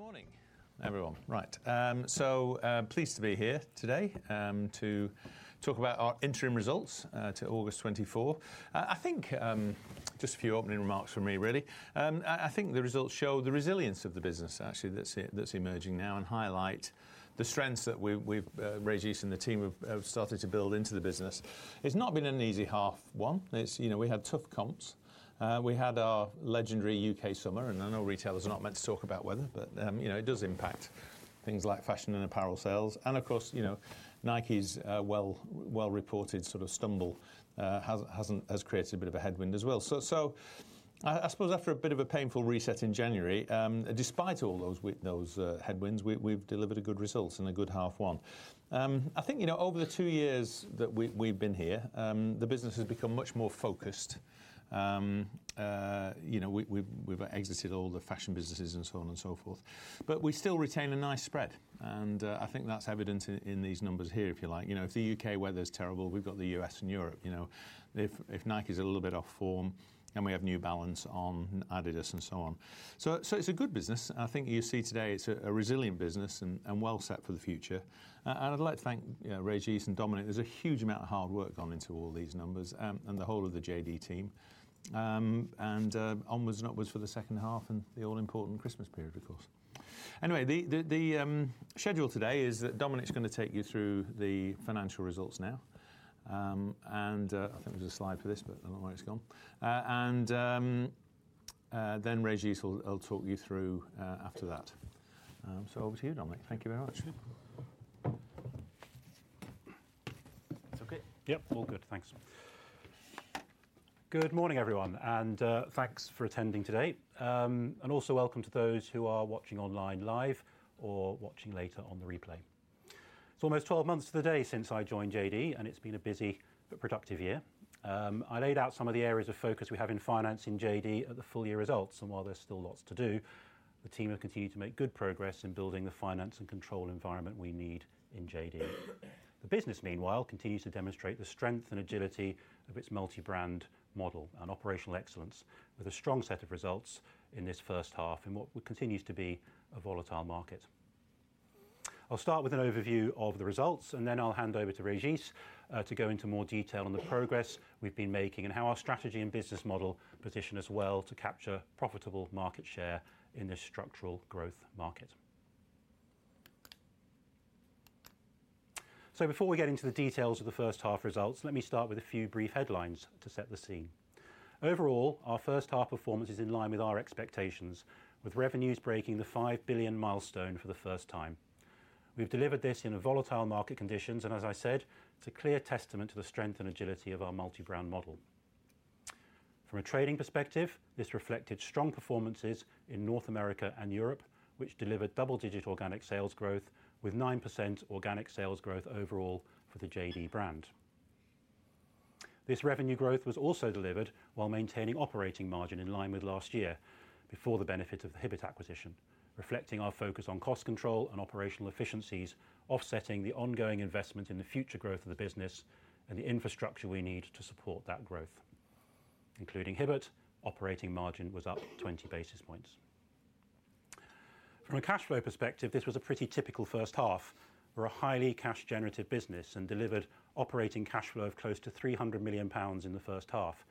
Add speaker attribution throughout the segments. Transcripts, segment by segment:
Speaker 1: Good morning, everyone. Right, so, pleased to be here today to talk about our interim results to August 2024. I think just a few opening remarks from me really. I think the results show the resilience of the business actually that's emerging now and highlight the strengths that we've Régis and the team have started to build into the business. It's not been an easy half one. It's you know we had tough comps. We had our legendary U.K. summer, and I know retailers are not meant to talk about weather, but you know it does impact things like fashion and apparel sales. And of course, you know, Nike's well reported sort of stumble has created a bit of a headwind as well. So I suppose after a bit of a painful reset in January, despite all those headwinds, we've delivered good results and a good half one. I think, you know, over the two years that we've been here, the business has become much more focused. You know, we've exited all the fashion businesses and so on and so forth, but we still retain a nice spread, and I think that's evident in these numbers here, if you like. You know, if the U.K. weather's terrible, we've got the U.S. and Europe, you know. If Nike is a little bit off form, then we have New Balance on, Adidas, and so on. So it's a good business. I think you see today it's a resilient business and well set for the future. And I'd like to thank Régis and Dominic. There's a huge amount of hard work gone into all these numbers and the whole of the JD team. And onwards and upwards for the second half and the all-important Christmas period, of course. Anyway, the schedule today is that Dominic's going to take you through the financial results now. And I think there's a slide for this, but I don't know where it's gone. And then Régis will talk you through after that. So over to you, Dominic. Thank you very much.
Speaker 2: Sure. It's okay? Yep, all good, thanks. Good morning, everyone, and thanks for attending today. And also welcome to those who are watching online live or watching later on the replay. It's almost twelve months to the day since I joined JD, and it's been a busy but productive year. I laid out some of the areas of focus we have in financing JD at the full year results, and while there's still lots to do, the team have continued to make good progress in building the finance and control environment we need in JD. The business, meanwhile, continues to demonstrate the strength and agility of its multi-brand model and operational excellence, with a strong set of results in this first half, in what continues to be a volatile market. I'll start with an overview of the results, and then I'll hand over to Régis to go into more detail on the progress we've been making and how our strategy and business model position us well to capture profitable market share in this structural growth market. So before we get into the details of the first half results, let me start with a few brief headlines to set the scene. Overall, our first half performance is in line with our expectations, with revenues breaking the 5 billion milestone for the first time. We've delivered this in a volatile market conditions, and as I said, it's a clear testament to the strength and agility of our multi-brand model. From a trading perspective, this reflected strong performances in North America and Europe, which delivered double-digit organic sales growth with 9% organic sales growth overall for the JD brand. This revenue growth was also delivered while maintaining operating margin in line with last year before the benefit of the Hibbett acquisition, reflecting our focus on cost control and operational efficiencies, offsetting the ongoing investment in the future growth of the business and the infrastructure we need to support that growth. Including Hibbett, operating margin was up twenty basis points. From a cash flow perspective, this was a pretty typical first half for a highly cash-generative business and delivered operating cash flow of close to 300 million pounds in the first half.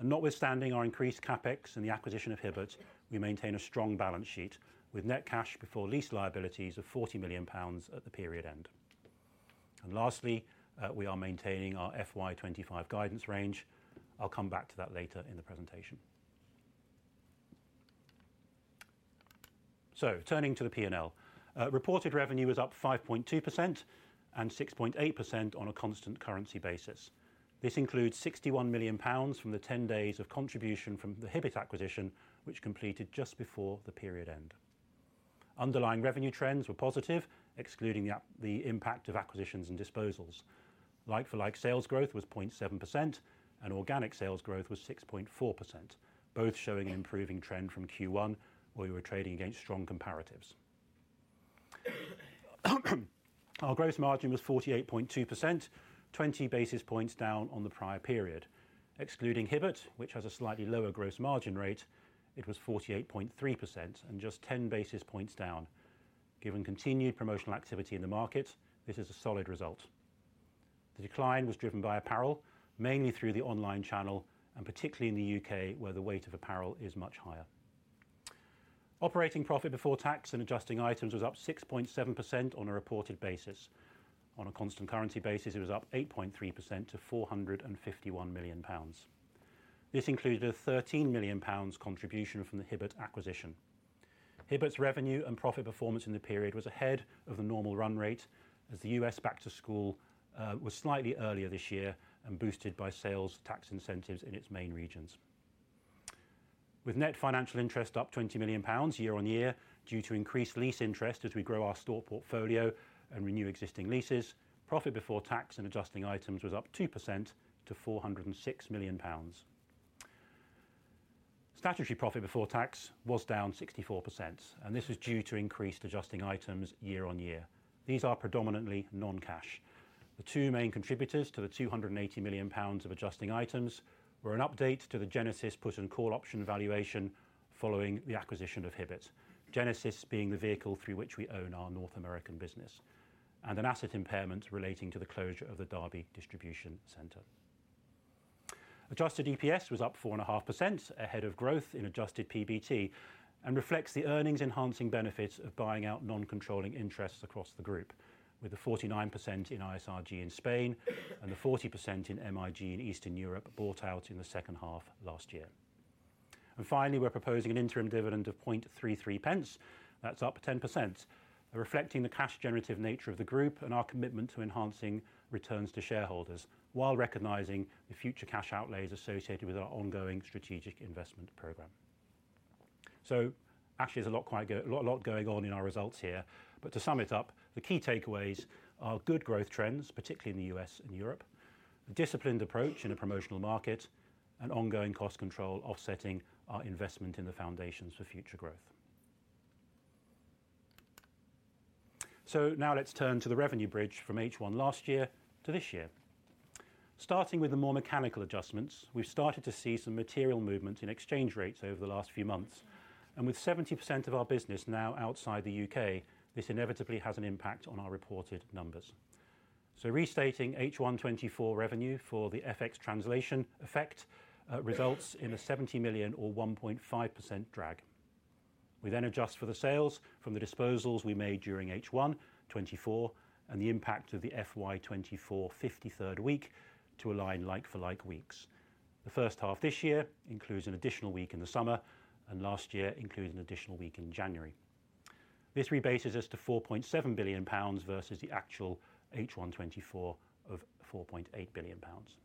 Speaker 2: And notwithstanding our increased CapEx and the acquisition of Hibbett, we maintain a strong balance sheet with net cash before lease liabilities of 40 million pounds at the period end. And lastly, we are maintaining our FY 2025 guidance range. I'll come back to that later in the presentation. So turning to the P&L. Reported revenue is up 5.2% and 6.8% on a constant currency basis. This includes 61 million pounds from the 10 days of contribution from the Hibbett acquisition, which completed just before the period end. Underlying revenue trends were positive, excluding the impact of acquisitions and disposals. Like-for-like sales growth was 0.7% and organic sales growth was 6.4%, both showing an improving trend from Q1, where we were trading against strong comparatives. Our gross margin was 48.2%, 20 basis points down on the prior period. Excluding Hibbett, which has a slightly lower gross margin rate, it was 48.3% and just 10 basis points down. Given continued promotional activity in the market, this is a solid result. The decline was driven by apparel, mainly through the online channel, and particularly in the U.K., where the weight of apparel is much higher. Operating profit before tax and adjusting items was up 6.7% on a reported basis. On a constant currency basis, it was up 8.3% to 451 million pounds. This included a 13 million pounds contribution from the Hibbett acquisition. Hibbett's revenue and profit performance in the period was ahead of the normal run rate, as the U.S. Back-to-School was slightly earlier this year and boosted by sales tax incentives in its main regions. With net financial interest up 20 million pounds year-on-year, due to increased lease interest as we grow our store portfolio and renew existing leases, profit before tax and adjusting items was up 2% to 406 million pounds. Statutory profit before tax was down 64%, and this was due to increased adjusting items year-on-year. These are predominantly non-cash. The two main contributors to the 280 million pounds of adjusting items were an update to the Genesis put and call option valuation following the acquisition of Hibbett. Genesis being the vehicle through which we own our North American business, and an asset impairment relating to the closure of the Derby distribution center. Adjusted EPS was up 4.5%, ahead of growth in adjusted PBT, and reflects the earnings enhancing benefits of buying out non-controlling interests across the group, with the 49% in ISRG in Spain and the 40% in MIG in Eastern Europe bought out in the second half last year. Finally, we're proposing an interim dividend of 0.33 pence. That's up 10%, reflecting the cash generative nature of the group and our commitment to enhancing returns to shareholders, while recognizing the future cash outlays associated with our ongoing strategic investment program. So actually, there's a lot going on in our results here. But to sum it up, the key takeaways are good growth trends, particularly in the U.S. and Europe, a disciplined approach in a promotional market, and ongoing cost control, offsetting our investment in the foundations for future growth. So now let's turn to the revenue bridge from H1 last year to this year. Starting with the more mechanical adjustments, we've started to see some material movement in exchange rates over the last few months, and with 70% of our business now outside the U.K., this inevitably has an impact on our reported numbers. So restating H1 2024 revenue for the FX translation effect results in a 70 million or 1.5% drag. We then adjust for the sales from the disposals we made during H1 2024, and the impact of the FY 2024 fifty-third week to align like-for-like weeks. The first half this year includes an additional week in the summer, and last year includes an additional week in January. This rebases us to 4.7 billion pounds versus the actual H1 2024 of 4.8 billion pounds.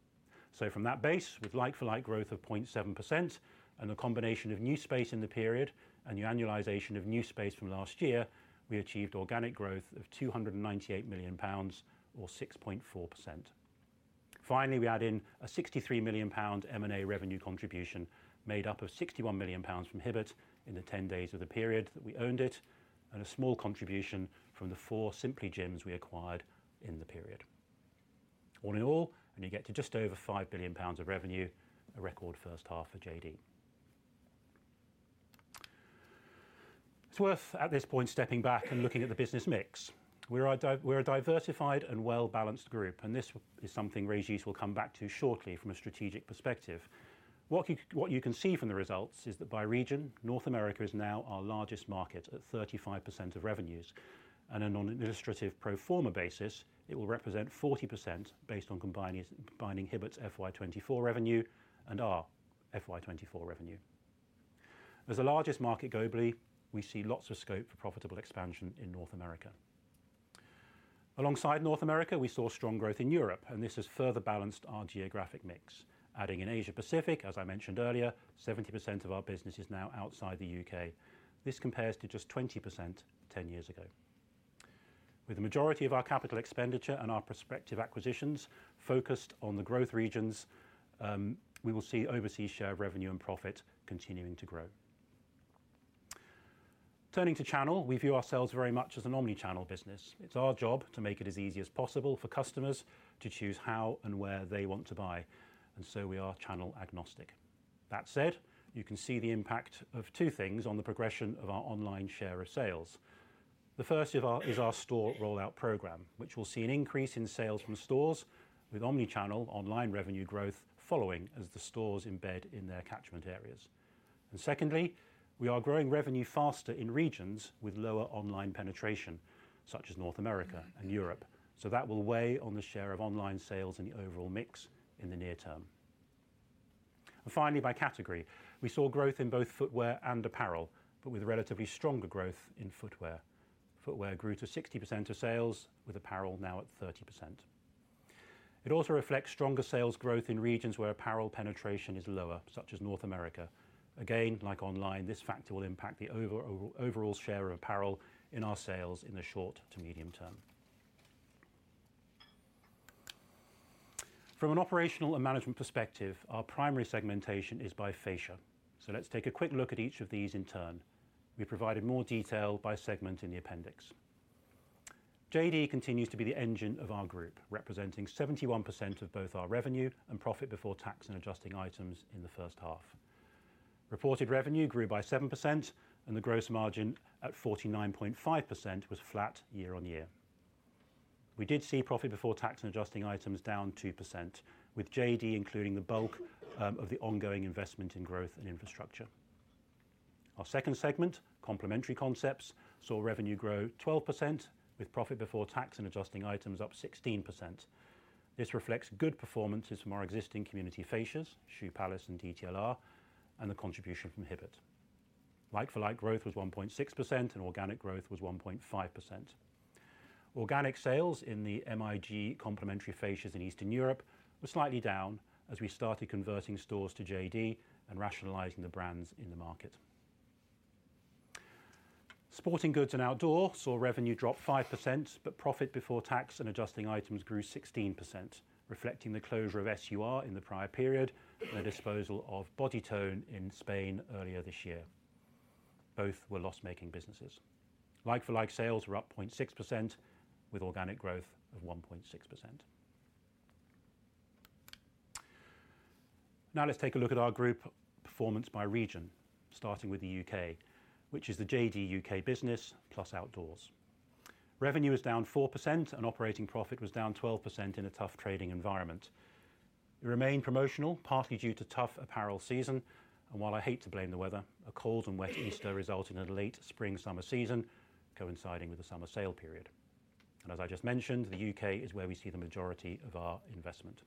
Speaker 2: So from that base, with like-for-like growth of 0.7% and a combination of new space in the period and the annualization of new space from last year, we achieved organic growth of 298 million pounds or 6.4%. Finally, we add in a 63 million pound M&A revenue contribution, made up of 61 million pounds from Hibbett in the 10 days of the period that we owned it, and a small contribution from the four Simply Gyms we acquired in the period. All in all, and you get to just over 5 billion pounds of revenue, a record first half for JD. It's worth, at this point, stepping back and looking at the business mix. We're a diversified and well-balanced group, and this is something Régis will come back to shortly from a strategic perspective. What you can see from the results is that by region, North America is now our largest market at 35% of revenues, and on an administrative pro forma basis, it will represent 40% based on combining Hibbett's FY 2024 revenue and our FY 2024 revenue. As the largest market globally, we see lots of scope for profitable expansion in North America. Alongside North America, we saw strong growth in Europe, and this has further balanced our geographic mix. Adding in Asia Pacific, as I mentioned earlier, 70% of our business is now outside the U.K. This compares to just 20% 10 years ago. With the majority of our capital expenditure and our prospective acquisitions focused on the growth regions, we will see overseas share of revenue and profit continuing to grow. Turning to channel, we view ourselves very much as an omni-channel business. It's our job to make it as easy as possible for customers to choose how and where they want to buy, and so we are channel agnostic. That said, you can see the impact of two things on the progression of our online share of sales. The first is our store rollout program, which will see an increase in sales from stores with omni-channel online revenue growth following as the stores embed in their catchment areas. Secondly, we are growing revenue faster in regions with lower online penetration, such as North America and Europe, so that will weigh on the share of online sales in the overall mix in the near-term. Finally, by category, we saw growth in both footwear and apparel, but with relatively stronger growth in footwear. Footwear grew to 60% of sales, with apparel now at 30%. It also reflects stronger sales growth in regions where apparel penetration is lower, such as North America. Again, like online, this factor will impact the overall share of apparel in our sales in the short to medium-term. From an operational and management perspective, our primary segmentation is by fascia, so let's take a quick look at each of these in turn. We provided more detail by segment in the appendix. JD continues to be the engine of our group, representing 71% of both our revenue and profit before tax and adjusting items in the first half. Reported revenue grew by 7% and the gross margin at 49.5% was flat year-on-year. We did see profit before tax and adjusting items down 2%, with JD including the bulk of the ongoing investment in growth and infrastructure. Our second segment, Complementary Concepts, saw revenue grow 12%, with profit before tax and adjusting items up 16%. This reflects good performances from our existing community fascias, Shoe Palace and DTLR, and the contribution from Hibbett. Like-for-like growth was 1.6% and organic growth was 1.5%. Organic sales in the MIG complementary fascias in Eastern Europe were slightly down as we started converting stores to JD and rationalizing the brands in the market. Sporting Goods and Outdoor saw revenue drop 5%, but profit before tax and adjusting items grew 16%, reflecting the closure of SUR in the prior period and the disposal of Bodytone in Spain earlier this year. Both were loss-making businesses. Like-for-like sales were up 0.6%, with organic growth of 1.6%. Now let's take a look at our group performance by region, starting with the U.K., which is the JD U.K. business, plus Outdoors. Revenue is down 4% and operating profit was down 12% in a tough trading environment. We remain promotional, partly due to tough apparel season, and while I hate to blame the weather, a cold and wet Easter resulted in a late spring/summer season coinciding with the summer sale period. And as I just mentioned, the U.K. is where we see the majority of our investment,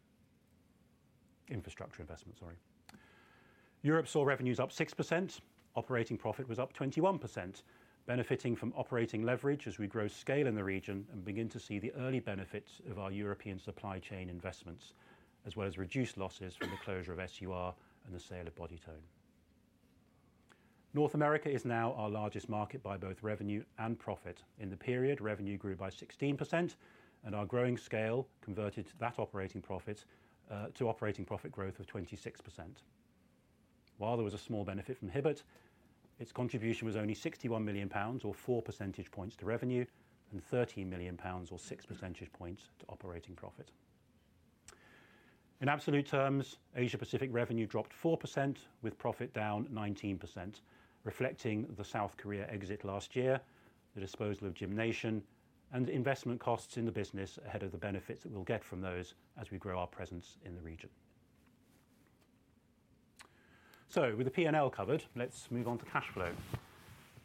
Speaker 2: infrastructure investment, sorry. Europe saw revenues up 6%. Operating profit was up 21%, benefiting from operating leverage as we grow scale in the region and begin to see the early benefits of our European supply chain investments, as well as reduced losses from the closure of SUR and the sale of Bodytone. North America is now our largest market by both revenue and profit. In the period, revenue grew by 16%, and our growing scale converted that operating profit to operating profit growth of 26%. While there was a small benefit from Hibbett, its contribution was only 61 million pounds, or 4% points to revenue, and 13 million pounds, or 6% points to operating profit. In absolute terms, Asia Pacific revenue dropped 4%, with profit down 19%, reflecting the South Korea exit last year, the disposal of GymNation, and the investment costs in the business ahead of the benefits that we'll get from those as we grow our presence in the region. So with the P&L covered, let's move on to cash flow.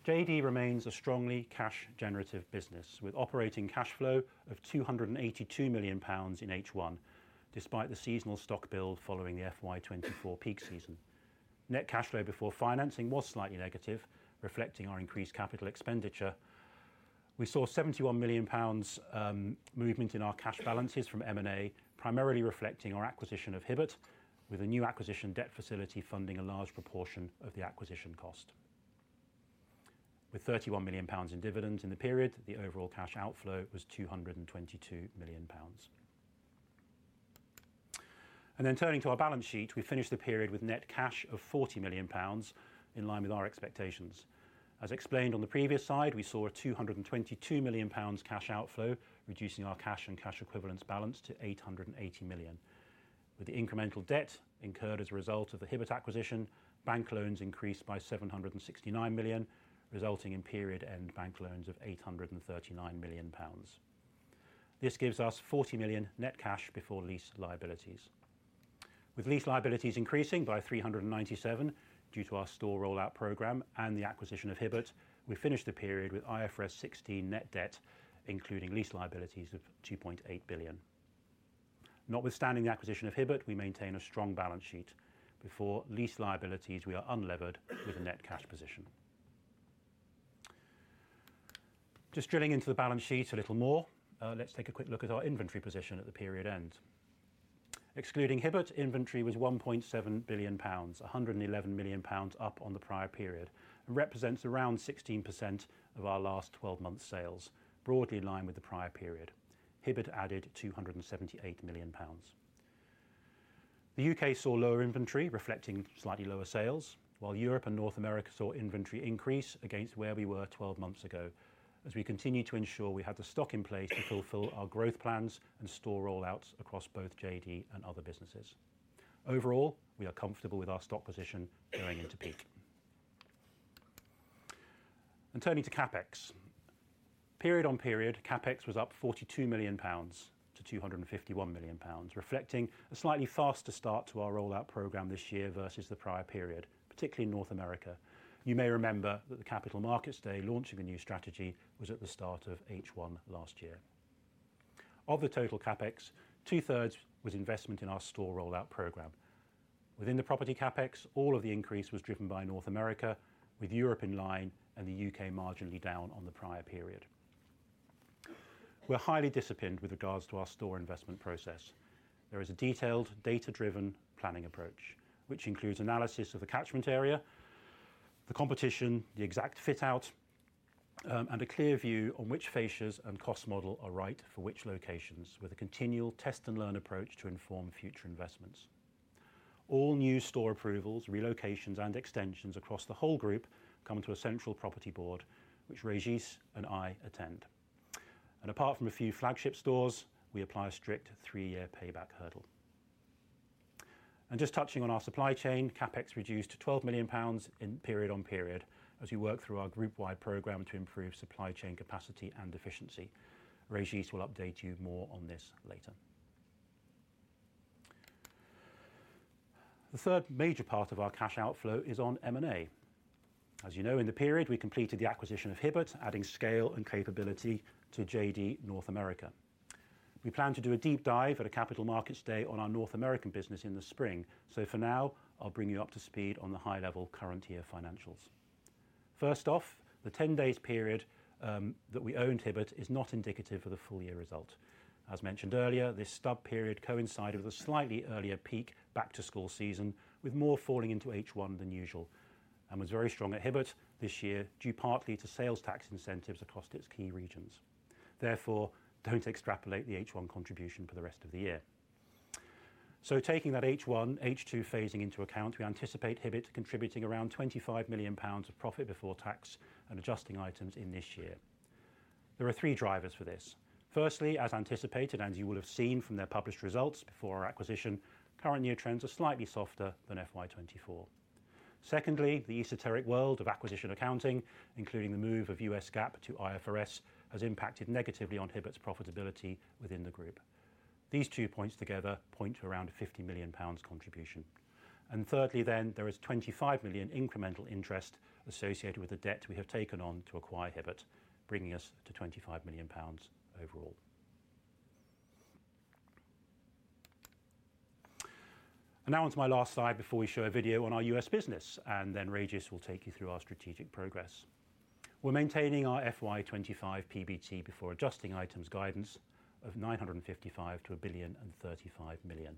Speaker 2: JD remains a strongly cash-generative business, with operating cash flow of 282 million pounds in H1, despite the seasonal stock build following the FY 2024 peak season. Net cash flow before financing was slightly negative, reflecting our increased capital expenditure. We saw 71 million pounds movement in our cash balances from M&A, primarily reflecting our acquisition of Hibbett, with a new acquisition debt facility funding a large proportion of the acquisition cost. With 31 million pounds in dividends in the period, the overall cash outflow was 222 million pounds. Then turning to our balance sheet, we finished the period with net cash of 40 million pounds in line with our expectations. As explained on the previous slide, we saw a 222 million pounds cash outflow, reducing our cash and cash equivalents balance to 880 million. With the incremental debt incurred as a result of the Hibbett acquisition, bank loans increased by 769 million, resulting in period end bank loans of 839 million pounds. This gives us 40 million net cash before lease liabilities. With lease liabilities increasing by 397 million due to our store rollout program and the acquisition of Hibbett, we finished the period with IFRS 16 net debt, including lease liabilities of 2.8 billion. Notwithstanding the acquisition of Hibbett, we maintain a strong balance sheet. Before lease liabilities, we are unlevered with a net cash position. Just drilling into the balance sheet a little more, let's take a quick look at our inventory position at the period end. Excluding Hibbett, inventory was 1.7 billion pounds, 111 million pounds up on the prior period, and represents around 16% of our last twelve-month sales, broadly in line with the prior period. Hibbett added 278 million pounds. The U.K. saw lower inventory, reflecting slightly lower sales, while Europe and North America saw inventory increase against where we were 12 months ago, as we continue to ensure we have the stock in place to fulfill our growth plans and store rollouts across both JD and other businesses. Overall, we are comfortable with our stock position going into peak. And turning to CapEx. Period on period, CapEx was up 42 million pounds to 251 million pounds, reflecting a slightly faster start to our rollout program this year versus the prior period, particularly in North America. You may remember that the Capital Markets Day, launching the new strategy, was at the start of H1 last year. Of the total CapEx, two-thirds was investment in our store rollout program. Within the property CapEx, all of the increase was driven by North America, with Europe in line and the U.K. marginally down on the prior period. We're highly disciplined with regards to our store investment process. There is a detailed, data-driven planning approach, which includes analysis of the catchment area, the competition, the exact fit out, and a clear view on which fascias and cost model are right for which locations, with a continual test-and-learn approach to inform future investments. All new store approvals, relocations, and extensions across the whole group come to a central property board, which Régis and I attend, and apart from a few flagship stores, we apply a strict three-year payback hurdle, and just touching on our supply chain, CapEx reduced to 12 million pounds period on period as we work through our group-wide program to improve supply chain capacity and efficiency. Régis will update you more on this later. The third major part of our cash outflow is on M&A. As you know, in the period, we completed the acquisition of Hibbett, adding scale and capability to JD North America. We plan to do a deep dive at a Capital Markets Day on our North American business in the spring, so for now, I'll bring you up to speed on the high-level current year financials. First off, the ten-day period that we owned Hibbett is not indicative of the full year result. As mentioned earlier, this stub period coincided with a slightly earlier peak, Back-to-School season, with more falling into H1 than usual, and was very strong at Hibbett this year, due partly to sales tax incentives across its key regions. Therefore, don't extrapolate the H1 contribution for the rest of the year. So taking that H1, H2 phasing into account, we anticipate Hibbett contributing around 25 million pounds of profit before tax and adjusting items in this year. There are three drivers for this. Firstly, as anticipated, and you will have seen from their published results before our acquisition, current year trends are slightly softer than FY 2024. Secondly, the esoteric world of acquisition accounting, including the move of U.S. GAAP to IFRS, has impacted negatively on Hibbett's profitability within the group. These two points together point to around 50 million pounds contribution. And thirdly, then, there is 25 million incremental interest associated with the debt we have taken on to acquire Hibbett, bringing us to 25 million pounds overall. And now on to my last slide before we show a video on our US business, and then Régis will take you through our strategic progress. We're maintaining our FY 2025 PBT before adjusting items guidance of 955 million to GBP 1.035 billion.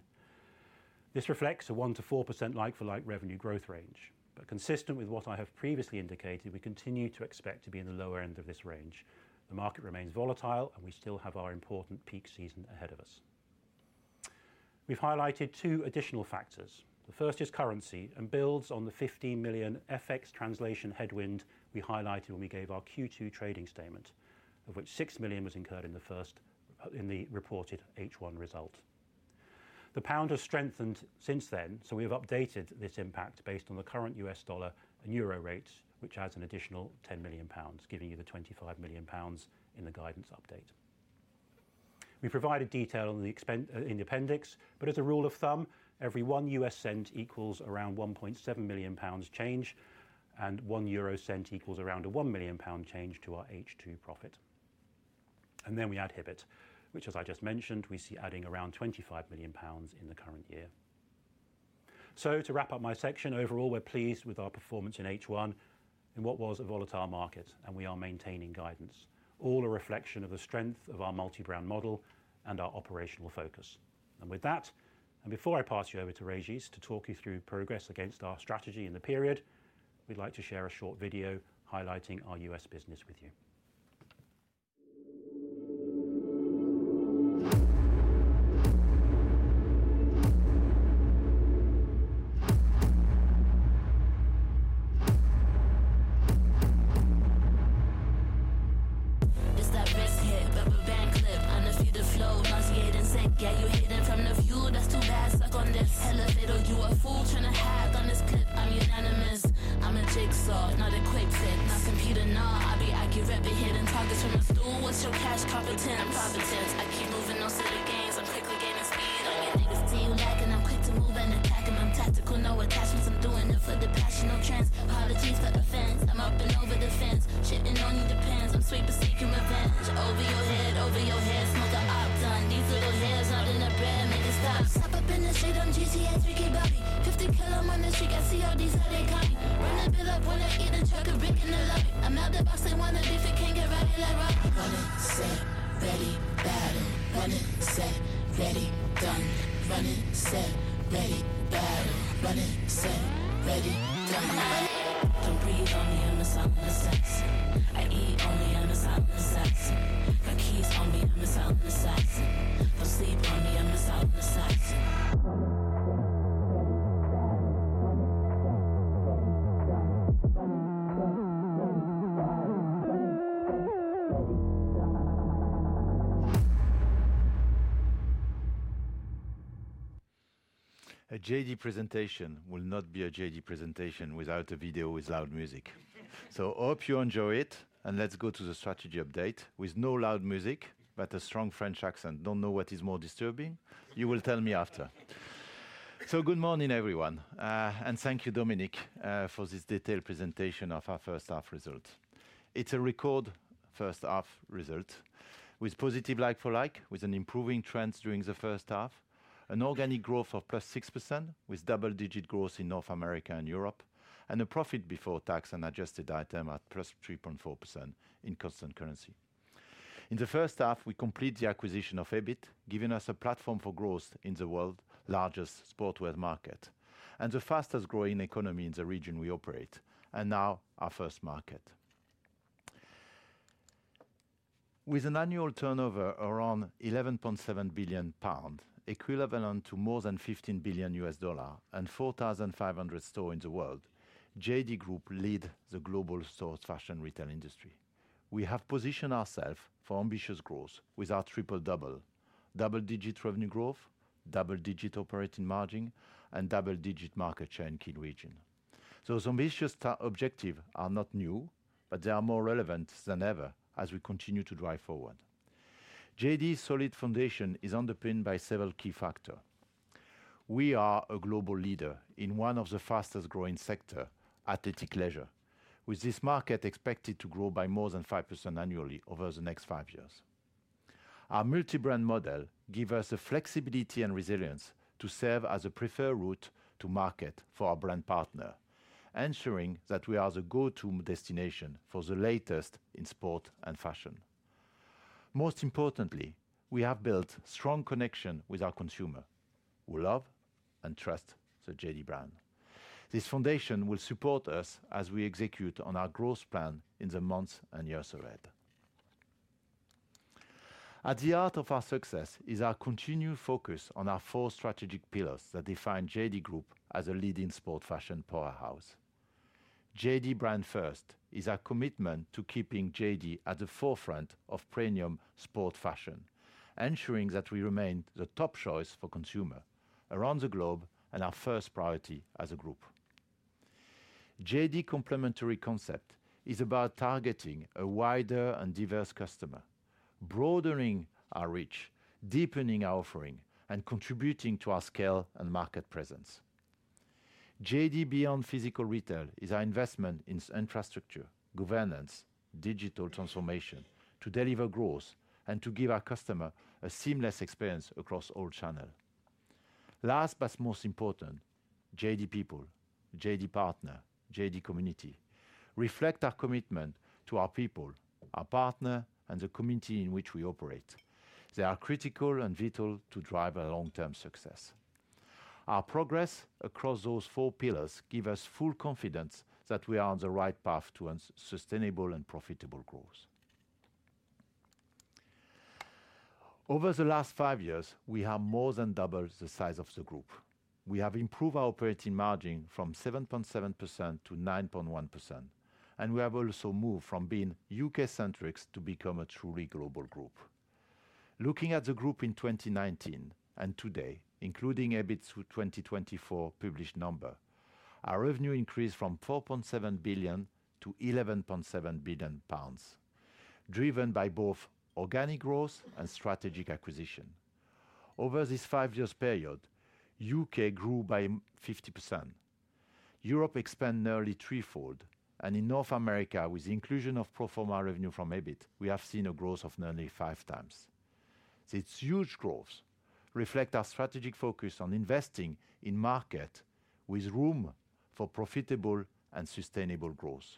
Speaker 2: This reflects a 1%-4% like-for-like revenue growth range, but consistent with what I have previously indicated, we continue to expect to be in the lower end of this range. The market remains volatile, and we still have our important peak season ahead of us. We've highlighted two additional factors. The first is currency, and builds on the 15 million FX translation headwind we highlighted when we gave our Q2 trading statement, of which 6 million was incurred in the first, in the reported H1 result. The pound has strengthened since then, so we've updated this impact based on the current US dollar and euro rate, which adds an additional 10 million pounds, giving you the 25 million pounds in the guidance update. We provided detail on the FX in the appendix, but as a rule of thumb, every 1 U.S. cent equals around 1.7 million pounds change, and 1 euro cent equals around a 1 million pound change to our H2 profit. Then we add Hibbett, which, as I just mentioned, we see adding around 25 million pounds in the current year. To wrap up my section, overall, we're pleased with our performance in H1, in what was a volatile market, and we are maintaining guidance. All a reflection of the strength of our multi-brand model and our operational focus. With that, and before I pass you over to Régis to talk you through progress against our strategy in the period, we'd like to share a short video highlighting our U.S. business with you.
Speaker 3: A JD presentation will not be a JD presentation without a video with loud music. So hope you enjoy it, and let's go to the strategy update with no loud music, but a strong French accent. Don't know what is more disturbing? You will tell me after. So good morning, everyone, and thank you, Dominic, for this detailed presentation of our first half results. It's a record first half result with positive like-for-like, with an improving trends during the first half, an organic growth of +6%, with double-digit growth in North America and Europe, and a profit before tax and adjusted item at +3.4% in constant currency. In the first half, we complete the acquisition of Hibbett, giving us a platform for growth in the world's largest sportswear market and the fastest growing economy in the region we operate, and now our first market. With an annual turnover around 11.7 billion pounds, equivalent to more than $15 billion and 4,500 stores in the world, JD Group leads the global sports fashion retail industry. We have positioned ourselves for ambitious growth with our Triple-Double: double-digit revenue growth, double-digit operating margin, and double-digit market share in key regions. Those ambitious objectives are not new, but they are more relevant than ever as we continue to drive forward. JD's solid foundation is underpinned by several key factors. We are a global leader in one of the fastest growing sector, athletic leisure, with this market expected to grow by more than 5% annually over the next five years. Our multi-brand model give us the flexibility and resilience to serve as a preferred route to market for our brand partner, ensuring that we are the go-to destination for the latest in sport and fashion. Most importantly, we have built strong connection with our consumer, who love and trust the JD brand. This foundation will support us as we execute on our growth plan in the months and years ahead. At the heart of our success is our continued focus on our four strategic pillars that define JD Group as a leading sport fashion powerhouse. JD Brand First is our commitment to keeping JD at the forefront of premium sport fashion, ensuring that we remain the top choice for consumers around the globe and our first priority as a group. JD Complementary Concept is about targeting a wider and diverse customers, broadening our reach, deepening our offering, and contributing to our scale and market presence. JD Beyond Physical Retail is our investment in infrastructure, governance, digital transformation to deliver growth and to give our customers a seamless experience across all channels. Last but most important, JD People, JD Partner, JD Community reflect our commitment to our people, our partners, and the community in which we operate. They are critical and vital to drive our long-term success. Our progress across those four pillars give us full confidence that we are on the right path towards sustainable and profitable growth. Over the last five years, we have more than doubled the size of the group. We have improved our operating margin from 7.7%-9.1%, and we have also moved from being U.K.-centric to become a truly global group. Looking at the group in 2019 and today, including Hibbett through 2024 published number, our revenue increased from 4.7 billion to 11.7 billion pounds, driven by both organic growth and strategic acquisition. Over this five years period, U.K. grew by 50%. Europe expanded nearly threefold, and in North America, with the inclusion of pro forma revenue from Hibbett, we have seen a growth of nearly 5x. This huge growth reflect our strategic focus on investing in market with room for profitable and sustainable growth.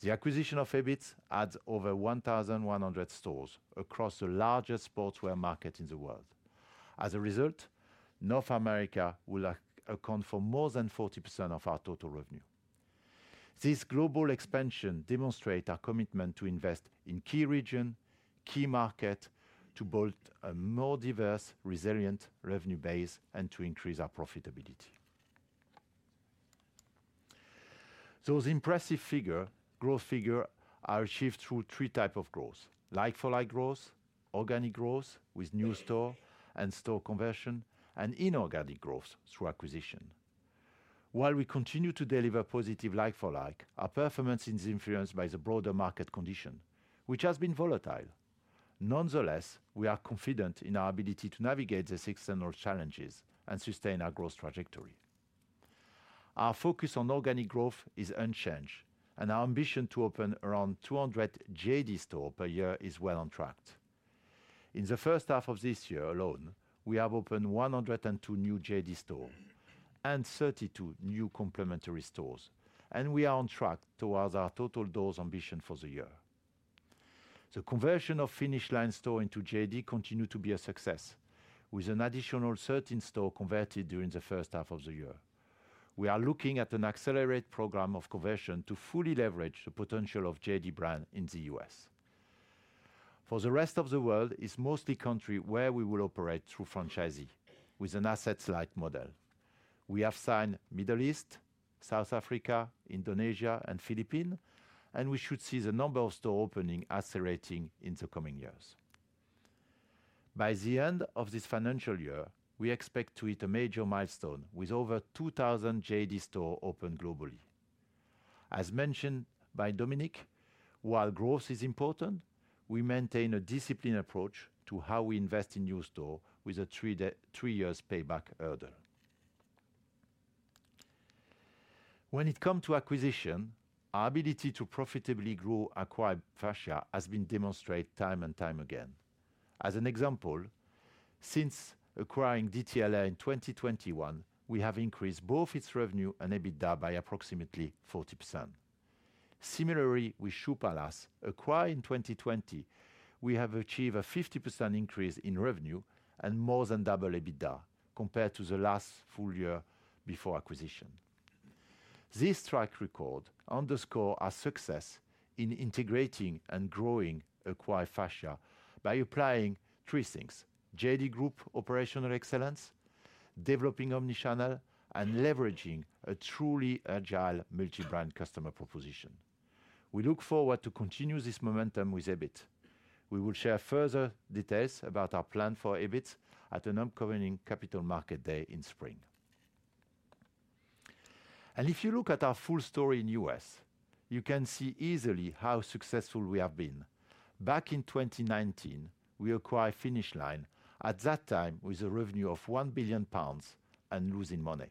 Speaker 3: The acquisition of Hibbett adds over one thousand one hundred stores across the largest sportswear market in the world. As a result, North America will account for more than 40% of our total revenue. This global expansion demonstrate our commitment to invest in key region, key market, to build a more diverse, resilient revenue base and to increase our profitability. Those impressive figure, growth figure are achieved through three type of growth: like-for-like growth, organic growth with new store and store conversion, and inorganic growth through acquisition. While we continue to deliver positive like-for-like, our performance is influenced by the broader market condition, which has been volatile. Nonetheless, we are confident in our ability to navigate the external challenges and sustain our growth trajectory. Our focus on organic growth is unchanged, and our ambition to open around 200 JD stores per year is well on track. In the first half of this year alone, we have opened 102 new JD stores and 32 new complementary stores, and we are on track towards our total doors ambition for the year. The conversion of Finish Line stores into JD continues to be a success, with an additional 13 stores converted during the first half of the year. We are looking at an accelerated program of conversion to fully leverage the potential of JD brand in the U.S. For the rest of the world, it's mostly countries where we will operate through franchisees with an asset-light model. We have signed Middle East, South Africa, Indonesia and Philippines, and we should see the number of store openings accelerating in the coming years. By the end of this financial year, we expect to hit a major milestone with over 2,000 JD stores open globally. As mentioned by Dominic, while growth is important, we maintain a disciplined approach to how we invest in new stores with a three years payback hurdle. When it come to acquisition, our ability to profitably grow acquired fascia has been demonstrated time and time again. As an example, since acquiring DTLR in 2021, we have increased both its revenue and EBITDA by approximately 40%. Similarly, with Shoe Palace, acquired in 2020, we have achieved a 50% increase in revenue and more than double EBITDA compared to the last full-year before acquisition. This track record underscore our success in integrating and growing acquired fascia by applying three things: JD Group operational excellence, developing omni-channel, and leveraging a truly agile multi-brand customer proposition. We look forward to continue this momentum with Hibbett. We will share further details about our plan for Hibbett at an upcoming Capital Market Day in spring, and if you look at our full story in U.S., you can see easily how successful we have been. Back in 2019, we acquired Finish Line, at that time, with a revenue of 1 billion pounds and losing money.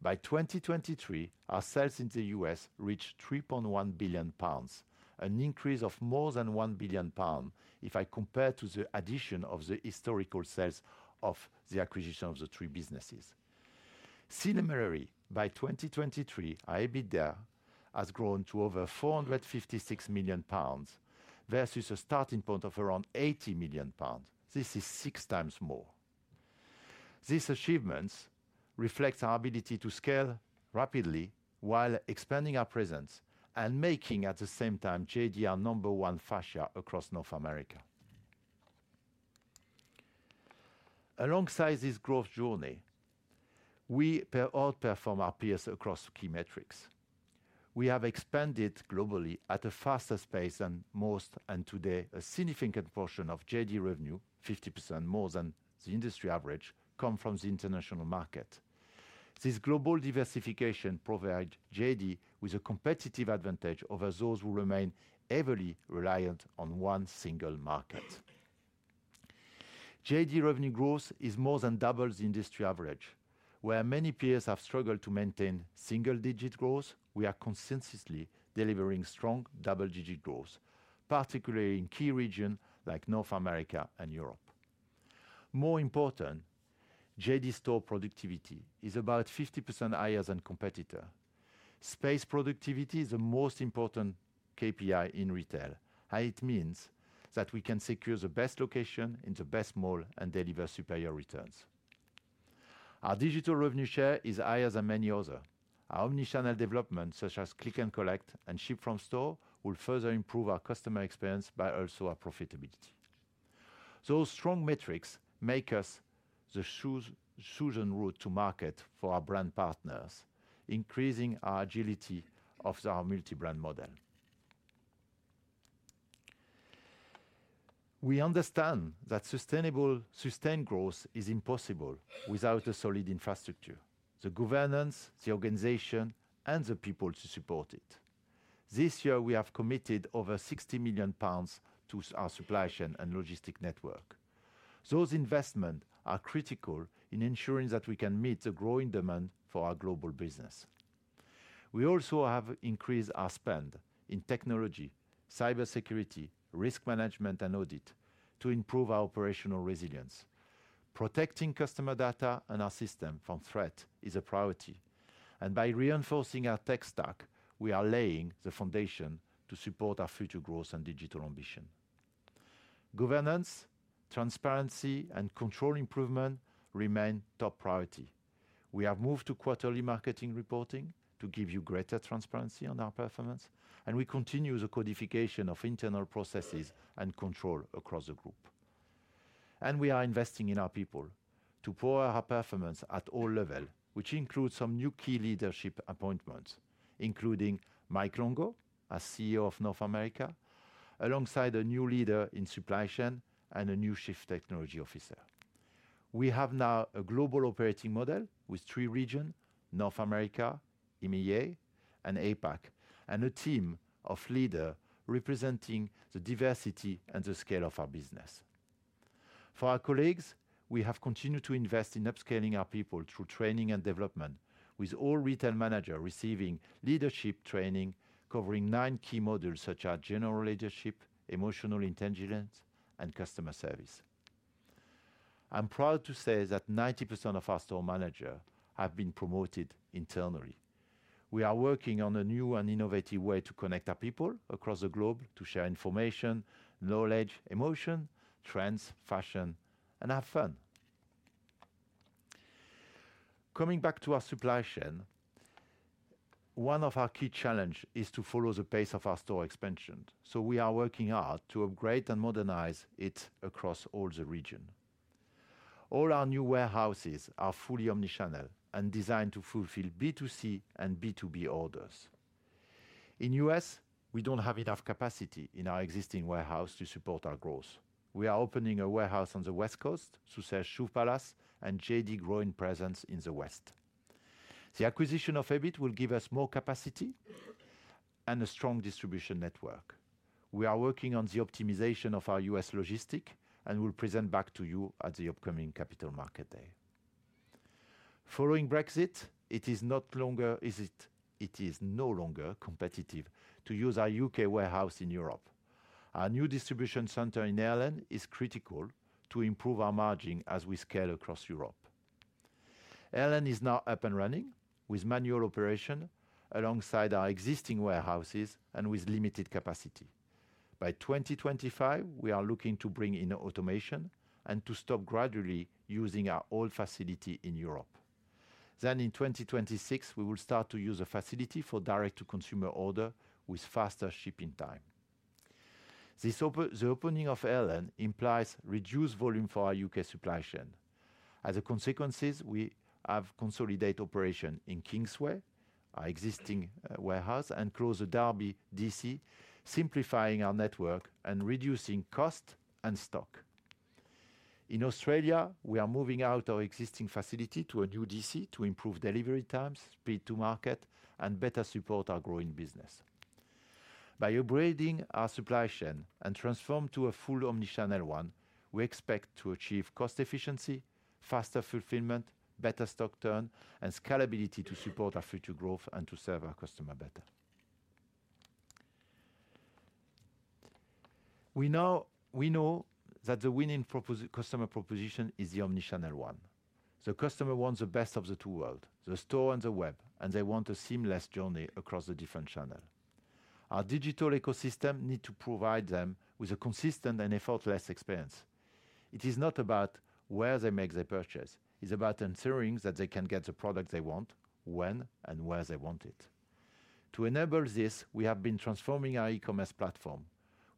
Speaker 3: By 2023, our sales in the U.S. reached 3.1 billion pounds, an increase of more than 1 billion pounds if I compare to the addition of the historical sales of the acquisition of the three businesses. Similarly, by 2023, our EBITDA has grown to over 456 million pounds, versus a starting point of around 80 million pounds. This is 6x more. These achievements reflect our ability to scale rapidly while expanding our presence and making, at the same time, JD our number one fascia across North America. Alongside this growth journey, we outperform our peers across key metrics. We have expanded globally at a faster pace than most, and today, a significant portion of JD revenue, 50% more than the industry average, come from the international market. This global diversification provide JD with a competitive advantage over those who remain heavily reliant on one single market. JD revenue growth is more than double the industry average. Where many peers have struggled to maintain single-digit growth, we are consistently delivering strong double-digit growth, particularly in key region like North America and Europe. More important, JD store productivity is about 50% higher than competitor. Space productivity is the most important KPI in retail, and it means that we can secure the best location in the best mall and deliver superior returns. Our digital revenue share is higher than many other. Our omni-channel development, such as click and collect and ship from store, will further improve our customer experience, but also our profitability. Those strong metrics make us the chosen route to market for our brand partners, increasing our agility of our multi-brand model. We understand that sustained growth is impossible without a solid infrastructure, the governance, the organization, and the people to support it. This year, we have committed over 60 million pounds to our supply chain and logistics network. Those investments are critical in ensuring that we can meet the growing demand for our global business. We also have increased our spend in technology, cybersecurity, risk management, and audit to improve our operational resilience. Protecting customer data and our system from threat is a priority, and by reinforcing our tech stack, we are laying the foundation to support our future growth and digital ambition. Governance, transparency, and control improvement remain top priority. We have moved to quarterly marketing reporting to give you greater transparency on our performance, and we continue the codification of internal processes and control across the group, and we are investing in our people to power our performance at all levels, which includes some new key leadership appointments, including Mike Longo, our CEO of North America, alongside a new leader in supply chain and a new chief technology officer. We have now a global operating model with three regions: North America, EMEA, and APAC, and a team of leaders representing the diversity and the scale of our business. For our colleagues, we have continued to invest in upscaling our people through training and development, with all retail managers receiving leadership training, covering nine key modules such as general leadership, emotional intelligence, and customer service. I'm proud to say that 90% of our store managers have been promoted internally. We are working on a new and innovative way to connect our people across the globe to share information, knowledge, emotion, trends, fashion, and have fun. Coming back to our supply chain, one of our key challenges is to follow the pace of our store expansion, so we are working hard to upgrade and modernize it across all the regions. All our new warehouses are fully omni-channel and designed to fulfill B2C and B2B orders. In the U.S., we don't have enough capacity in our existing warehouse to support our growth. We are opening a warehouse on the West Coast to sell Shoe Palace and JD's growing presence in the West. The acquisition of Hibbett will give us more capacity and a strong distribution network. We are working on the optimization of our U.S. logistics, and we'll present back to you at the upcoming Capital Markets Day. Following Brexit, it is no longer competitive to use our U.K. warehouse in Europe. Our new distribution center in Ireland is critical to improve our margin as we scale across Europe. Ireland is now up and running, with manual operation alongside our existing warehouses and with limited capacity. By 2025, we are looking to bring in automation and to stop gradually using our old facility in Europe. In 2026, we will start to use a facility for direct-to-consumer orders with faster shipping times. The opening of Ireland implies reduced volume for our U.K. supply chain. As a consequence, we have consolidated operations in Kingsway, our existing warehouse, and closed the Derby DC, simplifying our network and reducing costs and stock. In Australia, we are moving out of our existing facility to a new DC to improve delivery times, speed to market, and better support our growing business. By upgrading our supply chain and transforming to a full omni-channel one, we expect to achieve cost efficiency, faster fulfillment, better stock turn, and scalability to support our future growth and to serve our customers better. We know, we know that the winning proposition is the omni-channel one. The customer wants the best of the two worlds, the store and the web, and they want a seamless journey across the different channels. Our digital ecosystem needs to provide them with a consistent and effortless experience. It is not about where they make their purchase, it's about ensuring that they can get the product they want, when, and where they want it. To enable this, we have been transforming our e-commerce platform.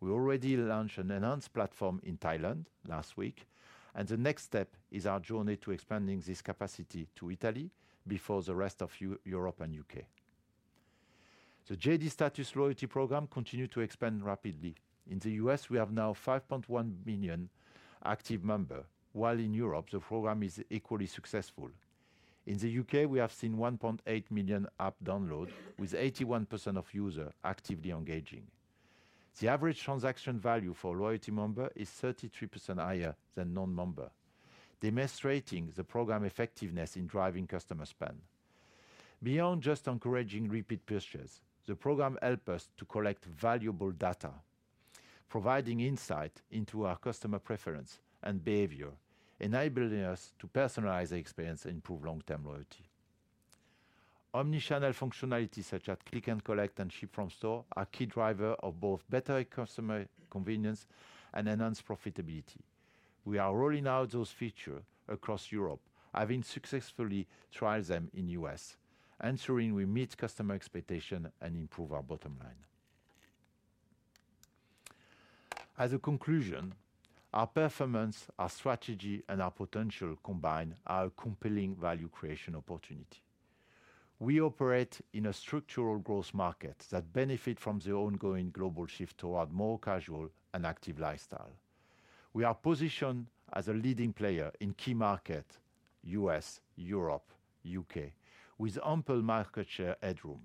Speaker 3: We already launched an enhanced platform in Thailand last week, and the next step is our journey to expanding this capacity to Italy before the rest of Europe and U.K. The JD Status loyalty program continued to expand rapidly. In the U.S., we have now 5.1 million active members, while in Europe the program is equally successful. In the U.K., we have seen 1.8 million app downloads, with 81% of users actively engaging. The average transaction value for loyalty members is 33% higher than non-members, demonstrating the program effectiveness in driving customer spend. Beyond just encouraging repeat purchases, the program help us to collect valuable data, providing insight into our customer preference and behavior, enabling us to personalize the experience and improve long-term loyalty. Omni-channel functionality such as click and collect, and ship from store, are key drivers of both better customer convenience and enhanced profitability. We are rolling out those features across Europe, having successfully trialed them in the U.S., ensuring we meet customer expectations and improve our bottom line. As a conclusion, our performance, our strategy, and our potential combined are a compelling value creation opportunity. We operate in a structural growth market that benefits from the ongoing global shift toward more casual and active lifestyles. We are positioned as a leading player in key markets, U.S., Europe, U.K., with ample market share headroom.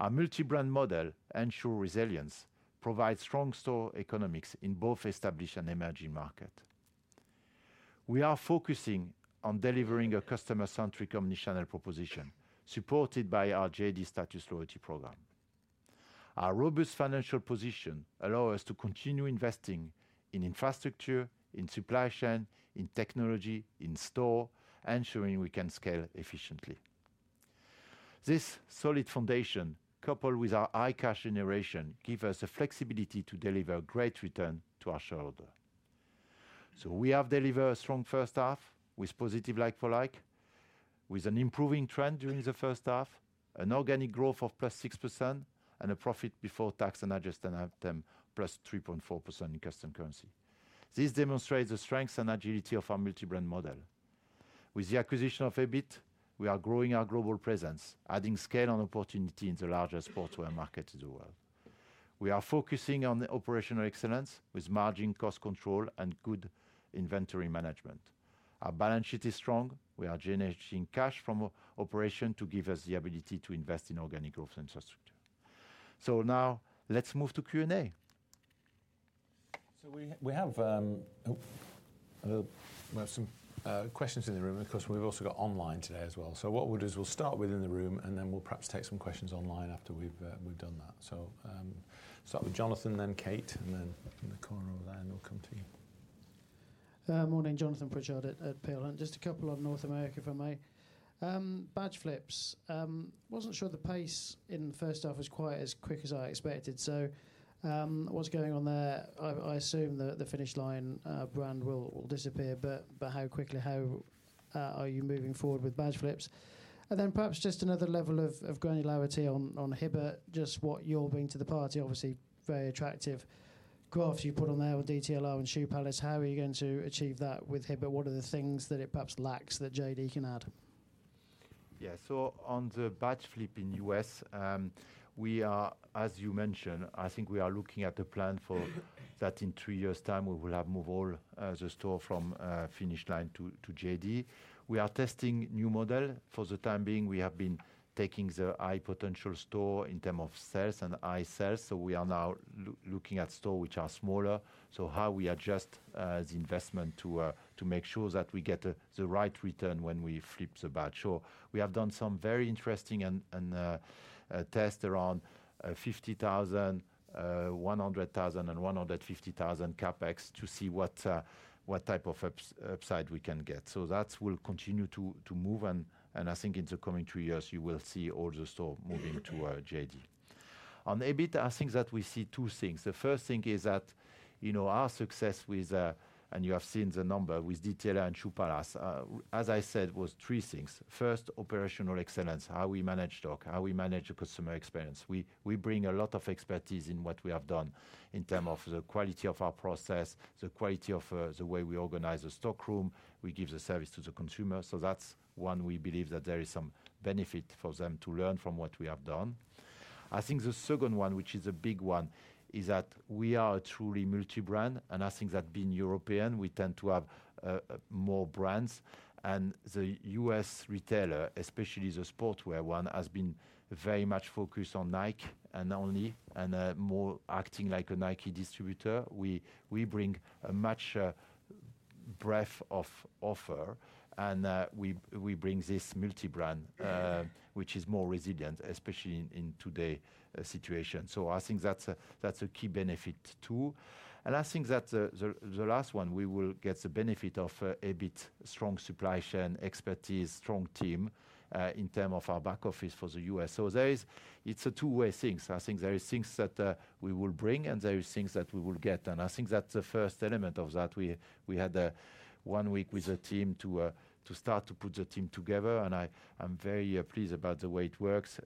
Speaker 3: Our multi-brand model ensures resilience, provides strong store economics in both established and emerging markets. We are focusing on delivering a customer-centric, omnichannel proposition, supported by our JD Status loyalty program. Our robust financial position allows us to continue investing in infrastructure, in supply chain, in technology, in stores, ensuring we can scale efficiently. This solid foundation, coupled with our high cash generation, gives us the flexibility to deliver great returns to our shareholders. So we have delivered a strong first half, with positive like-for-like, with an improving trend during the first half, an organic growth of +6%, and a profit before tax and adjusted item +3.4% in constant currency. This demonstrates the strength and agility of our multi-brand model. With the acquisition of Hibbett, we are growing our global presence, adding scale and opportunity in the largest footwear market in the world. We are focusing on the operational excellence with margin cost control and good inventory management. Our balance sheet is strong. We are generating cash from operation to give us the ability to invest in organic growth and infrastructure. So now let's move to Q&A.
Speaker 1: So we have well some questions in the room, and of course, we've also got online today as well. What we'll do is we'll start within the room, and then we'll perhaps take some questions online after we've done that. Start with Jonathan, then Kate, and then in the corner over there, and we'll come to you.
Speaker 4: Morning, Jonathan Pritchard at Peel Hunt. And just a couple on North America, if I may. Badge flips. Wasn't sure the pace in the first half was quite as quick as I expected. So, what's going on there? I assume the Finish Line brand will disappear, but how quickly are you moving forward with badge flips? And then perhaps just another level of granularity on Hibbett, just what you're bringing to the party. Obviously, very attractive graphs you put on there with DTLR and Shoe Palace. How are you going to achieve that with Hibbett? What are the things that it perhaps lacks that JD can add?
Speaker 3: Yeah. So on the badge flip in the U.S., we are, as you mentioned, I think we are looking at a plan for that in three years' time, we will have moved all the store from Finish Line to JD. We are testing new model. For the time being, we have been taking the high potential store in terms of sales and high sales, so we are now looking at store which are smaller, so how we adjust the investment to make sure that we get the right return when we flip the badge. So we have done some very interesting and test around 50,000, 100,000, and 150,000 CapEx to see what type of upside we can get. That will continue to move, and I think in the coming three years you will see all the stores moving to JD. On Hibbett, I think that we see two things. The first thing is that, you know, our success with DTLR and Shoe Palace, and you have seen the numbers with DTLR and Shoe Palace, as I said, was three things. First, operational excellence, how we manage stock, how we manage the customer experience. We bring a lot of expertise in what we have done in terms of the quality of our process, the quality of the way we organize the stock room, we give the service to the consumer, so that's one we believe that there is some benefit for them to learn from what we have done. I think the second one, which is a big one, is that we are a truly multi-brand, and I think that being European, we tend to have more brands. And the U.S. retailer, especially the sportswear one, has been very much focused on Nike and only, and more acting like a Nike distributor. We bring a much breadth of offer, and we bring this multi-brand, which is more resilient, especially in today situation. So I think that's a key benefit, too. And I think that the last one, we will get the benefit of a bit strong supply chain expertise, strong team, in term of our back office for the U.S. So there is. It's a two-way things. I think there is things that we will bring, and there is things that we will get, and I think that's the first element of that. We had a one week with the team to start to put the team together, and I'm very pleased about the way it works.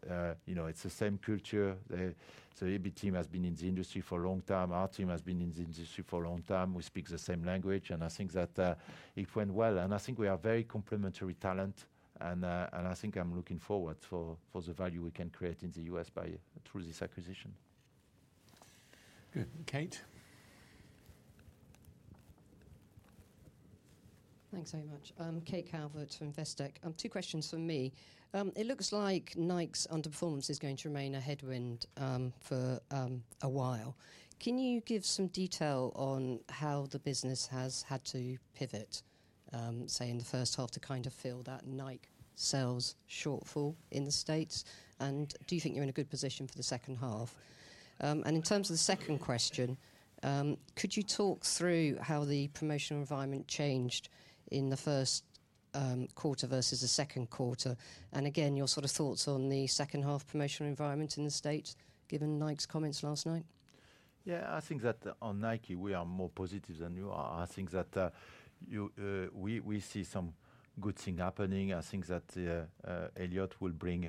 Speaker 3: You know, it's the same culture. The Hibbett team has been in the industry for a long time. Our team has been in the industry for a long time. We speak the same language, and I think that it went well. And I think we are very complementary talent and, and I think I'm looking forward for the value we can create in the U.S. by through this acquisition.
Speaker 1: Good. Kate?
Speaker 5: Thanks very much. Kate Calvert from Investec. Two questions from me. It looks like Nike's underperformance is going to remain a headwind for a while. Can you give some detail on how the business has had to pivot, say, in the first half, to kind of fill that Nike sales shortfall in the States? And do you think you're in a good position for the second half? And in terms of the second question, could you talk through how the promotional environment changed in the first quarter versus the second quarter? And again, your sort of thoughts on the second half promotional environment in the States, given Nike's comments last night.
Speaker 3: Yeah, I think that on Nike we are more positive than you are. I think that we see some good thing happening. I think that Elliott will bring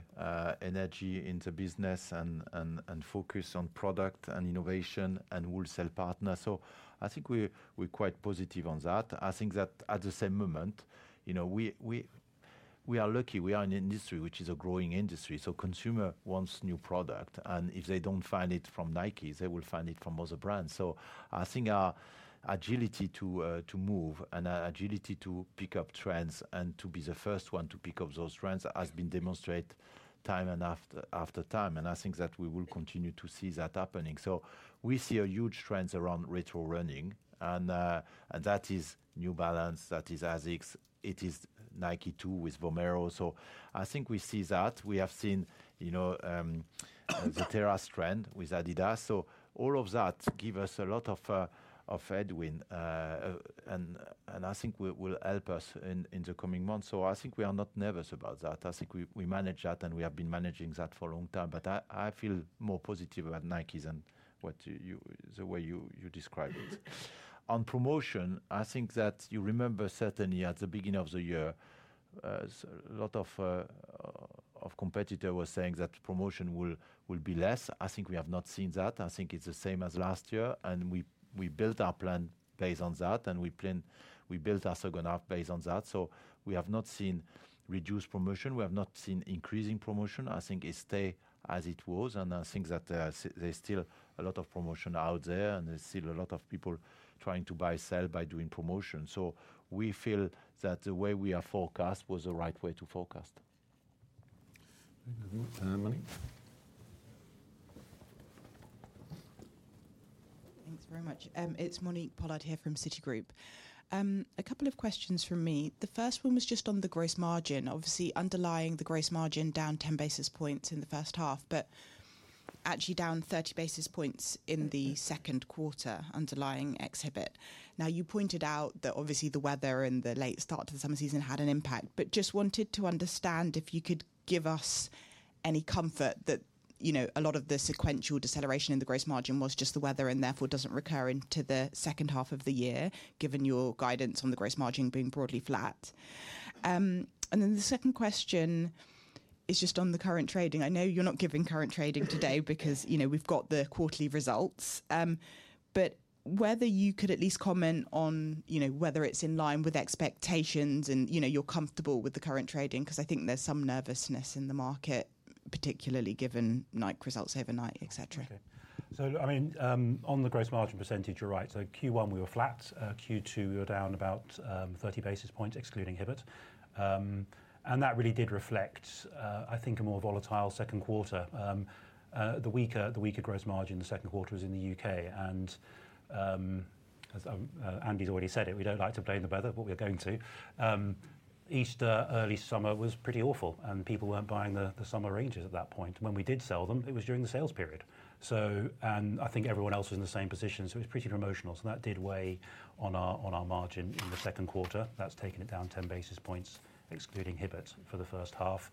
Speaker 3: energy in the business and focus on product and innovation and wholesale partners. So I think we're quite positive on that. I think that at the same moment, you know, we are lucky. We are in an industry which is a growing industry, so consumer wants new product, and if they don't find it from Nike, they will find it from other brands. So I think our agility to move and our agility to pick up trends and to be the first one to pick up those trends has been demonstrated time and after time. And I think that we will continue to see that happening. So we see a huge trends around retro running, and that is New Balance, that is ASICS, it is Nike, too, with Vomero. So I think we see that. We have seen, you know, the Terrace trend with Adidas. So all of that give us a lot of tailwind. And I think will help us in the coming months. So I think we are not nervous about that. I think we manage that, and we have been managing that for a long time. But I feel more positive about Nike than what you the way you describe it. On promotion, I think that you remember certainly at the beginning of the year, so a lot of competitor were saying that promotion will be less. I think we have not seen that. I think it's the same as last year, and we built our plan based on that, and we built our second half based on that. So we have not seen reduced promotion. We have not seen increasing promotion. I think it stay as it was, and I think that, there's still a lot of promotion out there, and there's still a lot of people trying to buy, sell by doing promotion. So we feel that the way we are forecast was the right way to forecast.
Speaker 1: Thank you very much. Monique?
Speaker 6: Thanks very much. It's Monique Pollard here from Citigroup. A couple of questions from me. The first one was just on the gross margin. Obviously, underlying the gross margin down ten basis points in the first half, but actually down 30 basis points in the second quarter underlying exit. Now, you pointed out that obviously the weather and the late start to the summer season had an impact, but just wanted to understand if you could give us any comfort that, you know, a lot of the sequential deceleration in the gross margin was just the weather and therefore doesn't recur into the second half of the year, given your guidance on the gross margin being broadly flat. And then the second question is just on the current trading. I know you're not giving current trading today because, you know, we've got the quarterly results. But whether you could at least comment on, you know, whether it's in line with expectations and, you know, you're comfortable with the current trading, 'cause I think there's some nervousness in the market, particularly given Nike results overnight, et cetera?
Speaker 2: Okay. So I mean, on the gross margin percentage, you're right. So Q1 we were flat. Q2 we were down about 30 basis points, excluding Hibbett. And that really did reflect, I think, a more volatile second quarter. The weaker gross margin in the second quarter was in the U.K. And, as Andy's already said it, we don't like to blame the weather, but we're going to. Easter, early summer was pretty awful, and people weren't buying the summer ranges at that point. When we did sell them, it was during the sales period, so... And I think everyone else was in the same position, so it was pretty detrimental. So that did weigh on our margin in the second quarter. That's taken it down 10 basis points, excluding Hibbett, for the first half.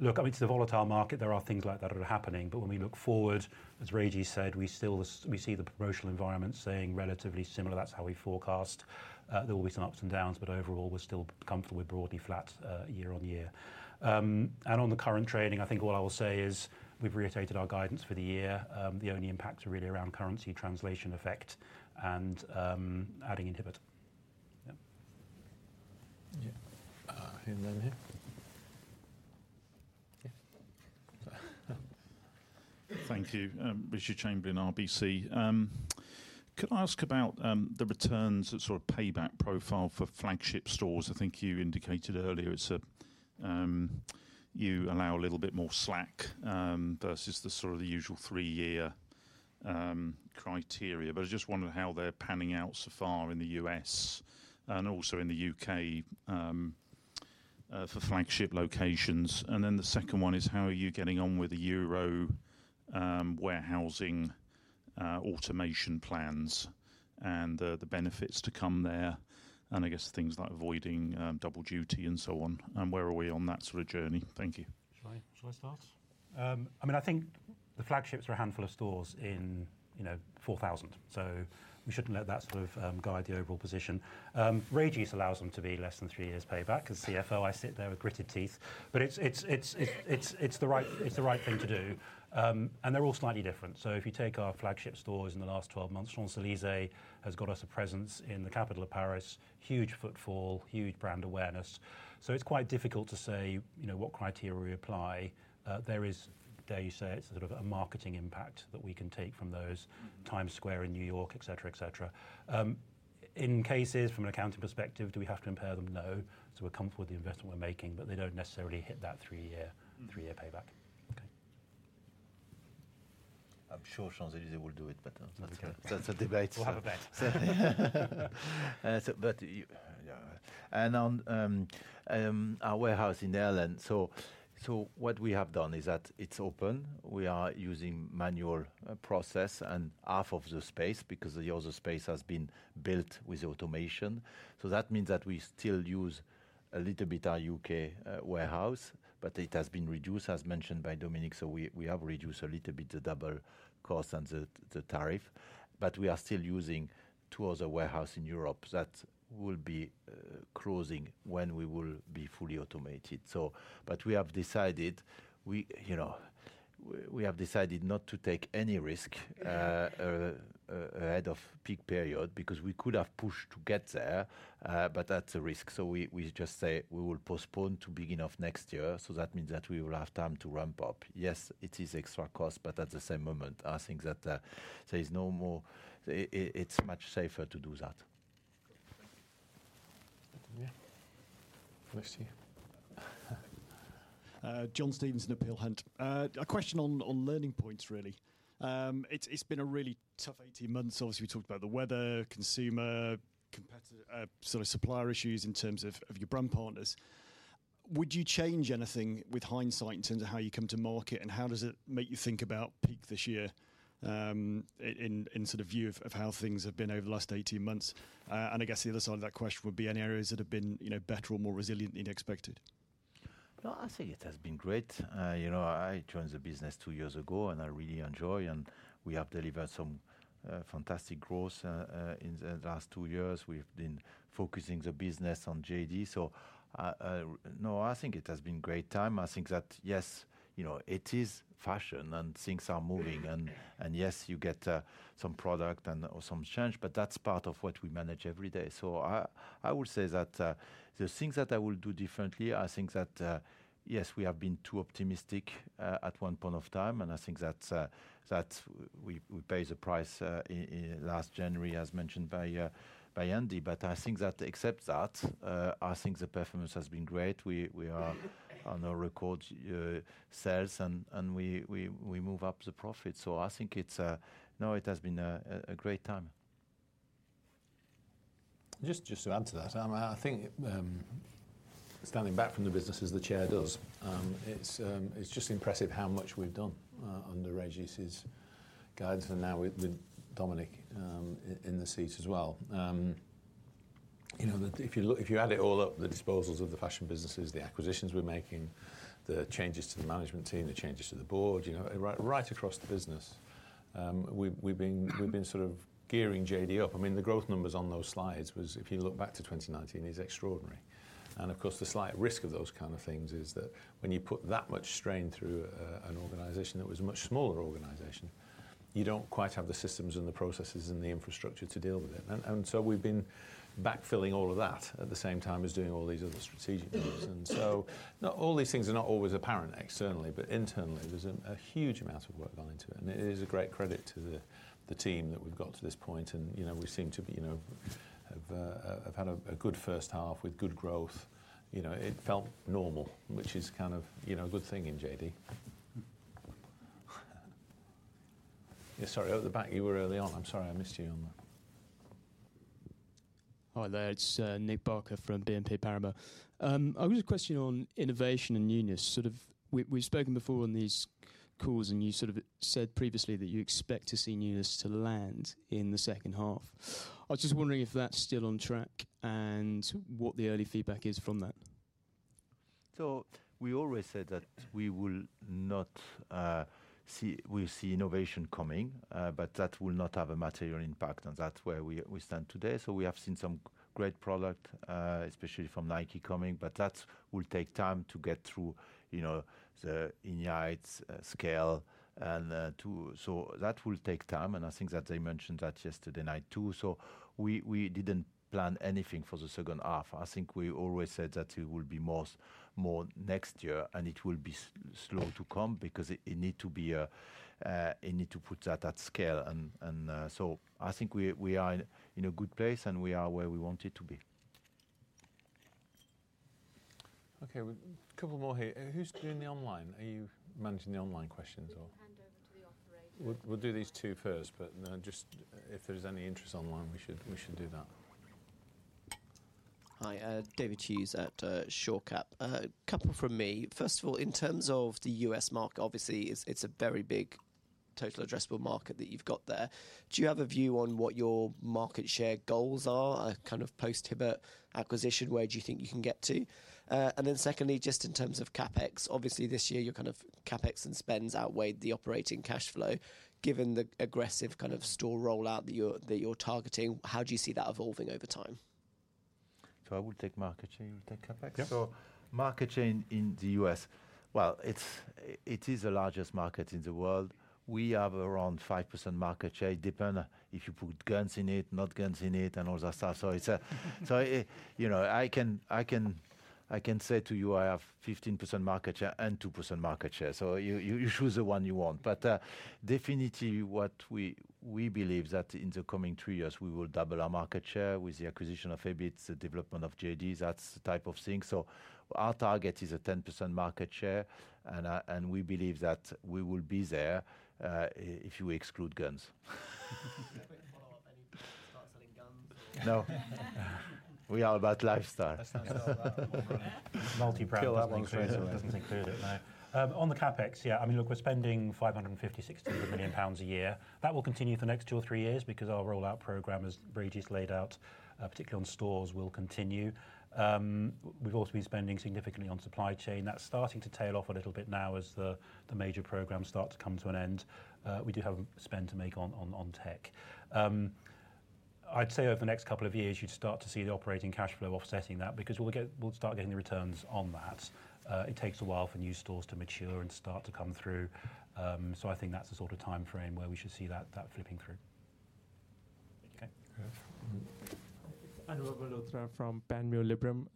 Speaker 2: Look, I mean, it's a volatile market. There are things like that are happening. But when we look forward, as Reggie said, we still see the promotional environment staying relatively similar. That's how we forecast. There will be some ups and downs, but overall, we're still comfortable with broadly flat year-on-year. And on the current trading, I think what I will say is we've reiterated our guidance for the year. The only impacts are really around currency translation effect and adding in Hibbett. Yeah.
Speaker 1: Yeah. And then here. Yeah.
Speaker 7: Thank you. Richard Chamberlain, RBC. Could I ask about the returns, the sort of payback profile for flagship stores? I think you indicated earlier it's a you allow a little bit more slack versus the sort of the usual three-year criteria. But I just wondered how they're panning out so far in the U.S. and also in the U.K. for flagship locations. And then the second one is, how are you getting on with the European warehousing automation plans and the benefits to come there, and I guess things like avoiding double duty and so on? And where are we on that sort of journey? Thank you.
Speaker 2: Shall I start? I mean, I think the flagships are a handful of stores in, you know, 4,000, so we shouldn't let that sort of guide the overall position. Régis allows them to be less than three years payback. As CFO, I sit there with gritted teeth, but it's the right thing to do. And they're all slightly different. So if you take our flagship stores in the last twelve months, Champs-Élysées has got us a presence in the capital of Paris. Huge footfall, huge brand awareness. So it's quite difficult to say, you know, what criteria we apply. There is, dare I say, it's sort of a marketing impact that we can take from those. - Times Square in New York, et cetera, et cetera. In cases, from an accounting perspective, do we have to impair them? No. So we're comfortable with the investment we're making, but they don't necessarily hit that three-year Three-year payback.
Speaker 7: Okay.
Speaker 3: I'm sure Champs-Élysées will do it, but,
Speaker 2: Okay...
Speaker 3: that's a debate.
Speaker 2: We'll have a bet.
Speaker 3: So but yeah, and our warehouse in Ireland, so what we have done is that it's open. We are using manual process and half of the space because the other space has been built with automation. So that means that we still use a little bit our U.K. warehouse, but it has been reduced, as mentioned by Dominic. So we have reduced a little bit the double cost and the tariff, but we are still using two other warehouses in Europe that will be closing when we will be fully automated. But we have decided, you know, we have decided not to take any risk ahead of peak period, because we could have pushed to get there, but that's a risk. So we just say we will postpone to beginning of next year, so that means that we will have time to ramp up. Yes, it is extra cost, but at the same moment, I think that there is no more. It's much safer to do that.
Speaker 1: Yeah. Next to you.
Speaker 8: John Stevenson, Peel Hunt. A question on learning points, really. It's been a really tough 18 months. Obviously, we talked about the weather, consumer, supplier issues in terms of your brand partners. Would you change anything with hindsight in terms of how you come to market, and how does it make you think about peak this year, in sort of view of how things have been over the last 18 months, and I guess the other side of that question would be any areas that have been, you know, better or more resilient than expected?
Speaker 3: No, I think it has been great. You know, I joined the business two years ago, and I really enjoy, and we have delivered some fantastic growth in the last two years. We've been focusing the business on JD, so no, I think it has been great time. I think that, yes, you know, it is fashion and things are moving, and yes, you get some product and or some change, but that's part of what we manage every day. So I would say that the things that I would do differently, I think that yes, we have been too optimistic at one point of time, and I think that we pay the price in last January, as mentioned by Andy. But I think that except that, I think the performance has been great. We are on a record sales and we move up the profit. So I think it's... No, it has been a great time.
Speaker 1: Just to add to that, I think, standing back from the business as the chair does, it's just impressive how much we've done, under Régis' guidance and now with Dominic in the seat as well. You know, if you look, if you add it all up, the disposals of the fashion businesses, the acquisitions we're making, the changes to the management team, the changes to the board, you know, right across the business, we've been sort of gearing JD up. I mean, the growth numbers on those slides was, if you look back to 2019, is extraordinary. And of course, the slight risk of those kind of things is that when you put that much strain through an organization that was a much smaller organization, you don't quite have the systems and the processes and the infrastructure to deal with it. And so we've been backfilling all of that at the same time as doing all these other strategic moves. And so not all these things are not always apparent externally, but internally, there's a huge amount of work gone into it, and it is a great credit to the team that we've got to this point. You know, we seem to be, you know, have had a good first half with good growth. You know, it felt normal, which is kind of, you know, a good thing in JD. Yeah, sorry, at the back, you were early on. I'm sorry, I missed you on the...
Speaker 9: Hi there, it's Nick Barker from BNP Paribas. I've a question on innovation and newness. Sort of we've spoken before on these calls, and you sort of said previously that you expect to see newness to land in the second half. I was just wondering if that's still on track and what the early feedback is from that.
Speaker 3: So we always said that we'll see innovation coming, but that will not have a material impact, and that's where we stand today. So we have seen some great product, especially from Nike coming, but that will take time to get through, you know, the inventory scale and to. So that will take time, and I think that they mentioned that yesterday night, too. So we didn't plan anything for the second half. I think we always said that it will be more next year, and it will be slow to come because it needs to be put at scale. And so I think we are in a good place, and we are where we wanted to be....
Speaker 1: Okay, couple more here. Who's doing the online? Are you managing the online questions or? We can hand over to the operator. We'll do these two first, but just if there's any interest online, we should do that.
Speaker 10: Hi, David Hughes at Shore Cap. Couple from me. First of all, in terms of the US market, obviously it's a very big total addressable market that you've got there. Do you have a view on what your market share goals are, kind of post-Hibbett acquisition, where do you think you can get to? And then secondly, just in terms of CapEx, obviously this year, your kind of CapEx and spends outweighed the operating cash flow. Given the aggressive kind of store rollout that you're targeting, how do you see that evolving over time?
Speaker 3: So I will take market share, you will take CapEx?
Speaker 2: Yeah.
Speaker 3: Market share in the U.S., well, it is the largest market in the world. We have around 5% market share. Depends if you put guns in it, not guns in it, and all that stuff. So it's, you know, I can say to you, I have 15% market share and 2% market share, so you choose the one you want. But definitely what we believe that in the coming three years, we will double our market share with the acquisition of Hibbett, the development of JD, that type of thing. So our target is a 10% market share, and we believe that we will be there, if you exclude guns.
Speaker 10: A quick follow-up. Any plans to start selling guns or?
Speaker 3: No. We are about lifestyle.
Speaker 2: That's not allowed. Multi-brand, that one.
Speaker 3: Kill that one straight away.
Speaker 2: Doesn't include it, no. On the CapEx, yeah, I mean, look, we're spending 550 million-600 million pounds a year. That will continue for the next two or three years because our rollout program, as Régis laid out, particularly on stores, will continue. We've also been spending significantly on supply chain. That's starting to tail off a little bit now as the major programs start to come to an end. We do have spend to make on tech. I'd say over the next couple of years, you'd start to see the operating cash flow offsetting that, because we'll start getting the returns on that. It takes a while for new stores to mature and start to come through. So I think that's the sort of timeframe where we should see that flipping through.
Speaker 10: Thank you. Okay.
Speaker 11: Anubhav Malhotra from Panmure Gordon.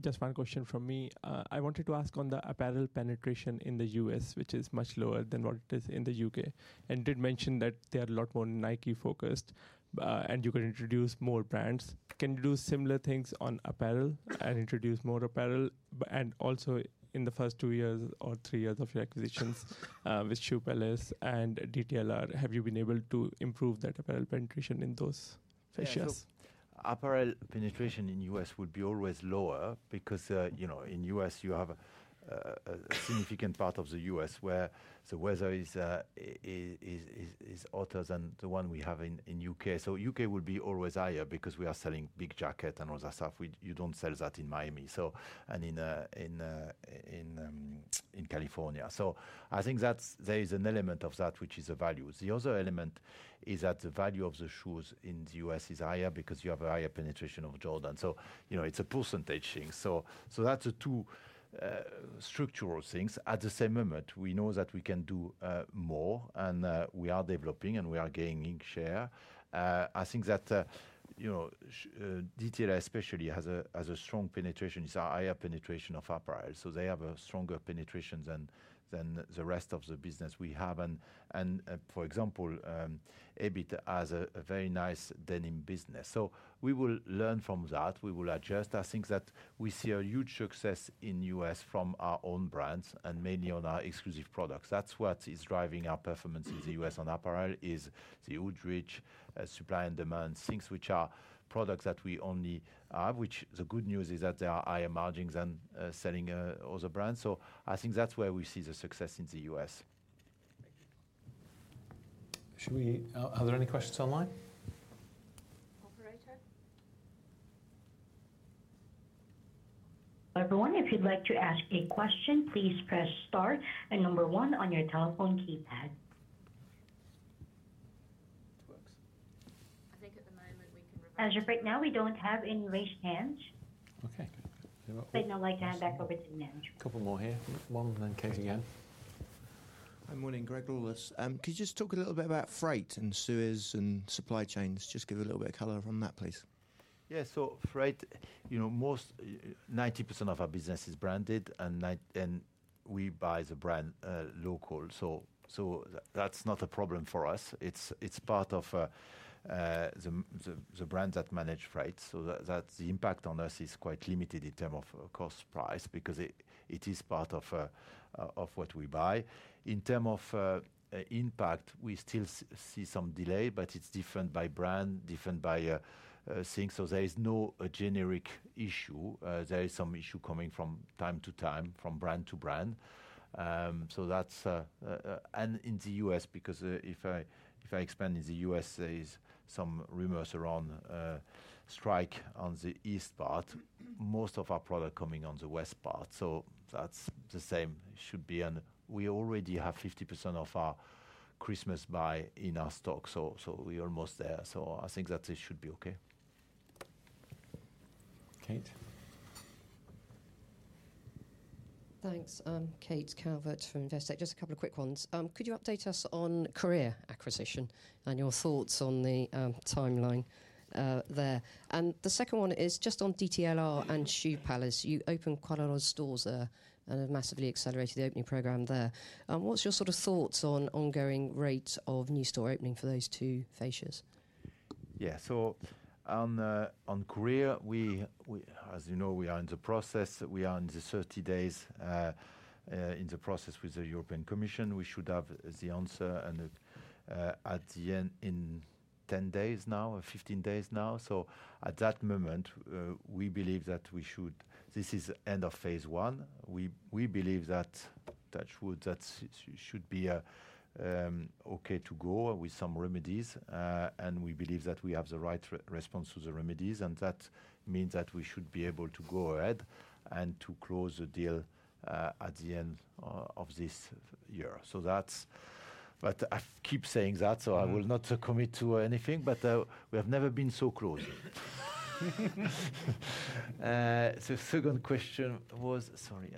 Speaker 11: Just one question from me. I wanted to ask on the apparel penetration in the U.S., which is much lower than what it is in the U.K., and you did mention that they are a lot more Nike focused, and you can introduce more brands. Can you do similar things on apparel and introduce more apparel? And also, in the first two years or three years of your acquisitions, with Shoe Palace and DTLR, have you been able to improve that apparel penetration in those fascias?
Speaker 3: Yeah, so apparel penetration in U.S. would be always lower because, you know, in U.S., you have a significant part of the U.S. where the weather is hotter than the one we have in U.K. So U.K. will be always higher because we are selling big jacket and all that stuff. You don't sell that in Miami, so, and in California. So I think that's, there is an element of that which is the value. The other element is that the value of the shoes in the U.S. is higher because you have a higher penetration of Jordan. So, you know, it's a percentage thing. So that's the two structural things. At the same moment, we know that we can do more, and we are developing, and we are gaining share. I think that, you know, DTLR especially has a strong penetration. It's a higher penetration of apparel, so they have a stronger penetration than the rest of the business we have. And for example, Hibbett has a very nice denim business. So we will learn from that. We will adjust. I think that we see a huge success in U.S. from our own brands and mainly on our exclusive products. That's what is driving our performance in the U.S. on apparel, is the Hoodrich, Supply & Demand, things which are products that we only have, which the good news is that they are higher margins than selling other brands. So I think that's where we see the success in the U.S.
Speaker 11: Thank you.
Speaker 1: Should we? Are there any questions online?
Speaker 12: Operator?
Speaker 13: Everyone, if you'd like to ask a question, please press Star and number one on your telephone keypad.
Speaker 1: It works. I think at the moment, we can .As of right now, we don't have any raised hands. Okay.
Speaker 13: I'd now like to hand back over to the manager.
Speaker 1: Couple more here. One, and then Kate again.
Speaker 14: Hi, morning. Greg Lawless. Could you just talk a little bit about freight and Suez and supply chains? Just give a little bit of color on that, please.
Speaker 3: Yeah. So freight, you know, 90% of our business is branded, and we buy the brand local, so that's not a problem for us. It's part of the brand that manage freight, so that the impact on us is quite limited in terms of cost price, because it is part of what we buy. In terms of impact, we still see some delay, but it's different by brand, different by things, so there is no generic issue. There is some issue coming from time to time, from brand to brand. So that's... And in the U.S., because if I expand in the U.S., there is some rumors around a strike on the east part. Most of our product coming on the West Coast, so that's the same. It should be, and we already have 50% of our Christmas buy in our stock, so we're almost there. So I think that it should be okay.
Speaker 1: Kate?
Speaker 5: Thanks. I'm Kate Calvert from Investec. Just a couple of quick ones. Could you update us on Courir acquisition and your thoughts on the timeline there? And the second one is just on DTLR and Shoe Palace. You opened quite a lot of stores there and have massively accelerated the opening program there. What's your sort of thoughts on ongoing rate of new store opening for those two fascias? ...
Speaker 3: Yeah, so on Courir, we, as you know, we are in the process. We are in the thirty days in the process with the European Commission. We should have the answer and at the end, in ten days now or fifteen days now. At that moment, we believe that we should. This is end of phase one. We believe that, touch wood, that should be okay to go with some remedies. And we believe that we have the right response to the remedies, and that means that we should be able to go ahead and to close the deal at the end of this year. That's, but I keep saying that, so I will not commit to anything, but we have never been so close. The second question was? Sorry,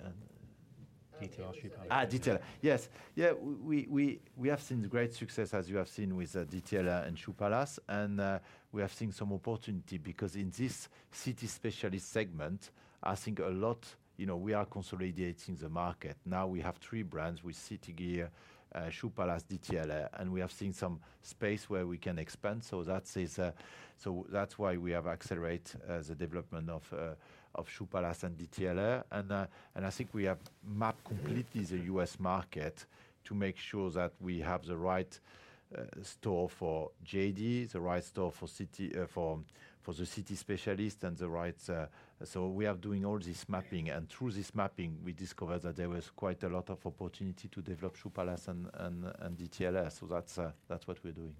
Speaker 3: um...
Speaker 1: DTLA, Shoe Palace.
Speaker 3: Ah, DTLR! Yes. Yeah, we have seen great success, as you have seen with DTLR and Shoe Palace. And we have seen some opportunity because in this city specialist segment, I think a lot, you know, we are consolidating the market. Now, we have three brands with City Gear, Shoe Palace, DTLR, and we have seen some space where we can expand. So that's why we have accelerate the development of Shoe Palace and DTLR. And I think we have mapped completely the US market to make sure that we have the right store for JD, the right store for city, for the city specialist and the right. We are doing all this mapping, and through this mapping, we discovered that there was quite a lot of opportunity to develop Shoe Palace and DTLR. That’s what we’re doing.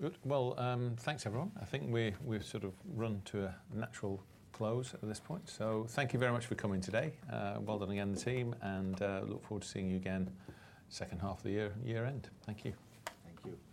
Speaker 1: Good. Well, thanks, everyone. I think we, we've sort of run to a natural close at this point. So thank you very much for coming today. Well done again, the team, and, look forward to seeing you again second half of the year, year-end. Thank you.
Speaker 3: Thank you.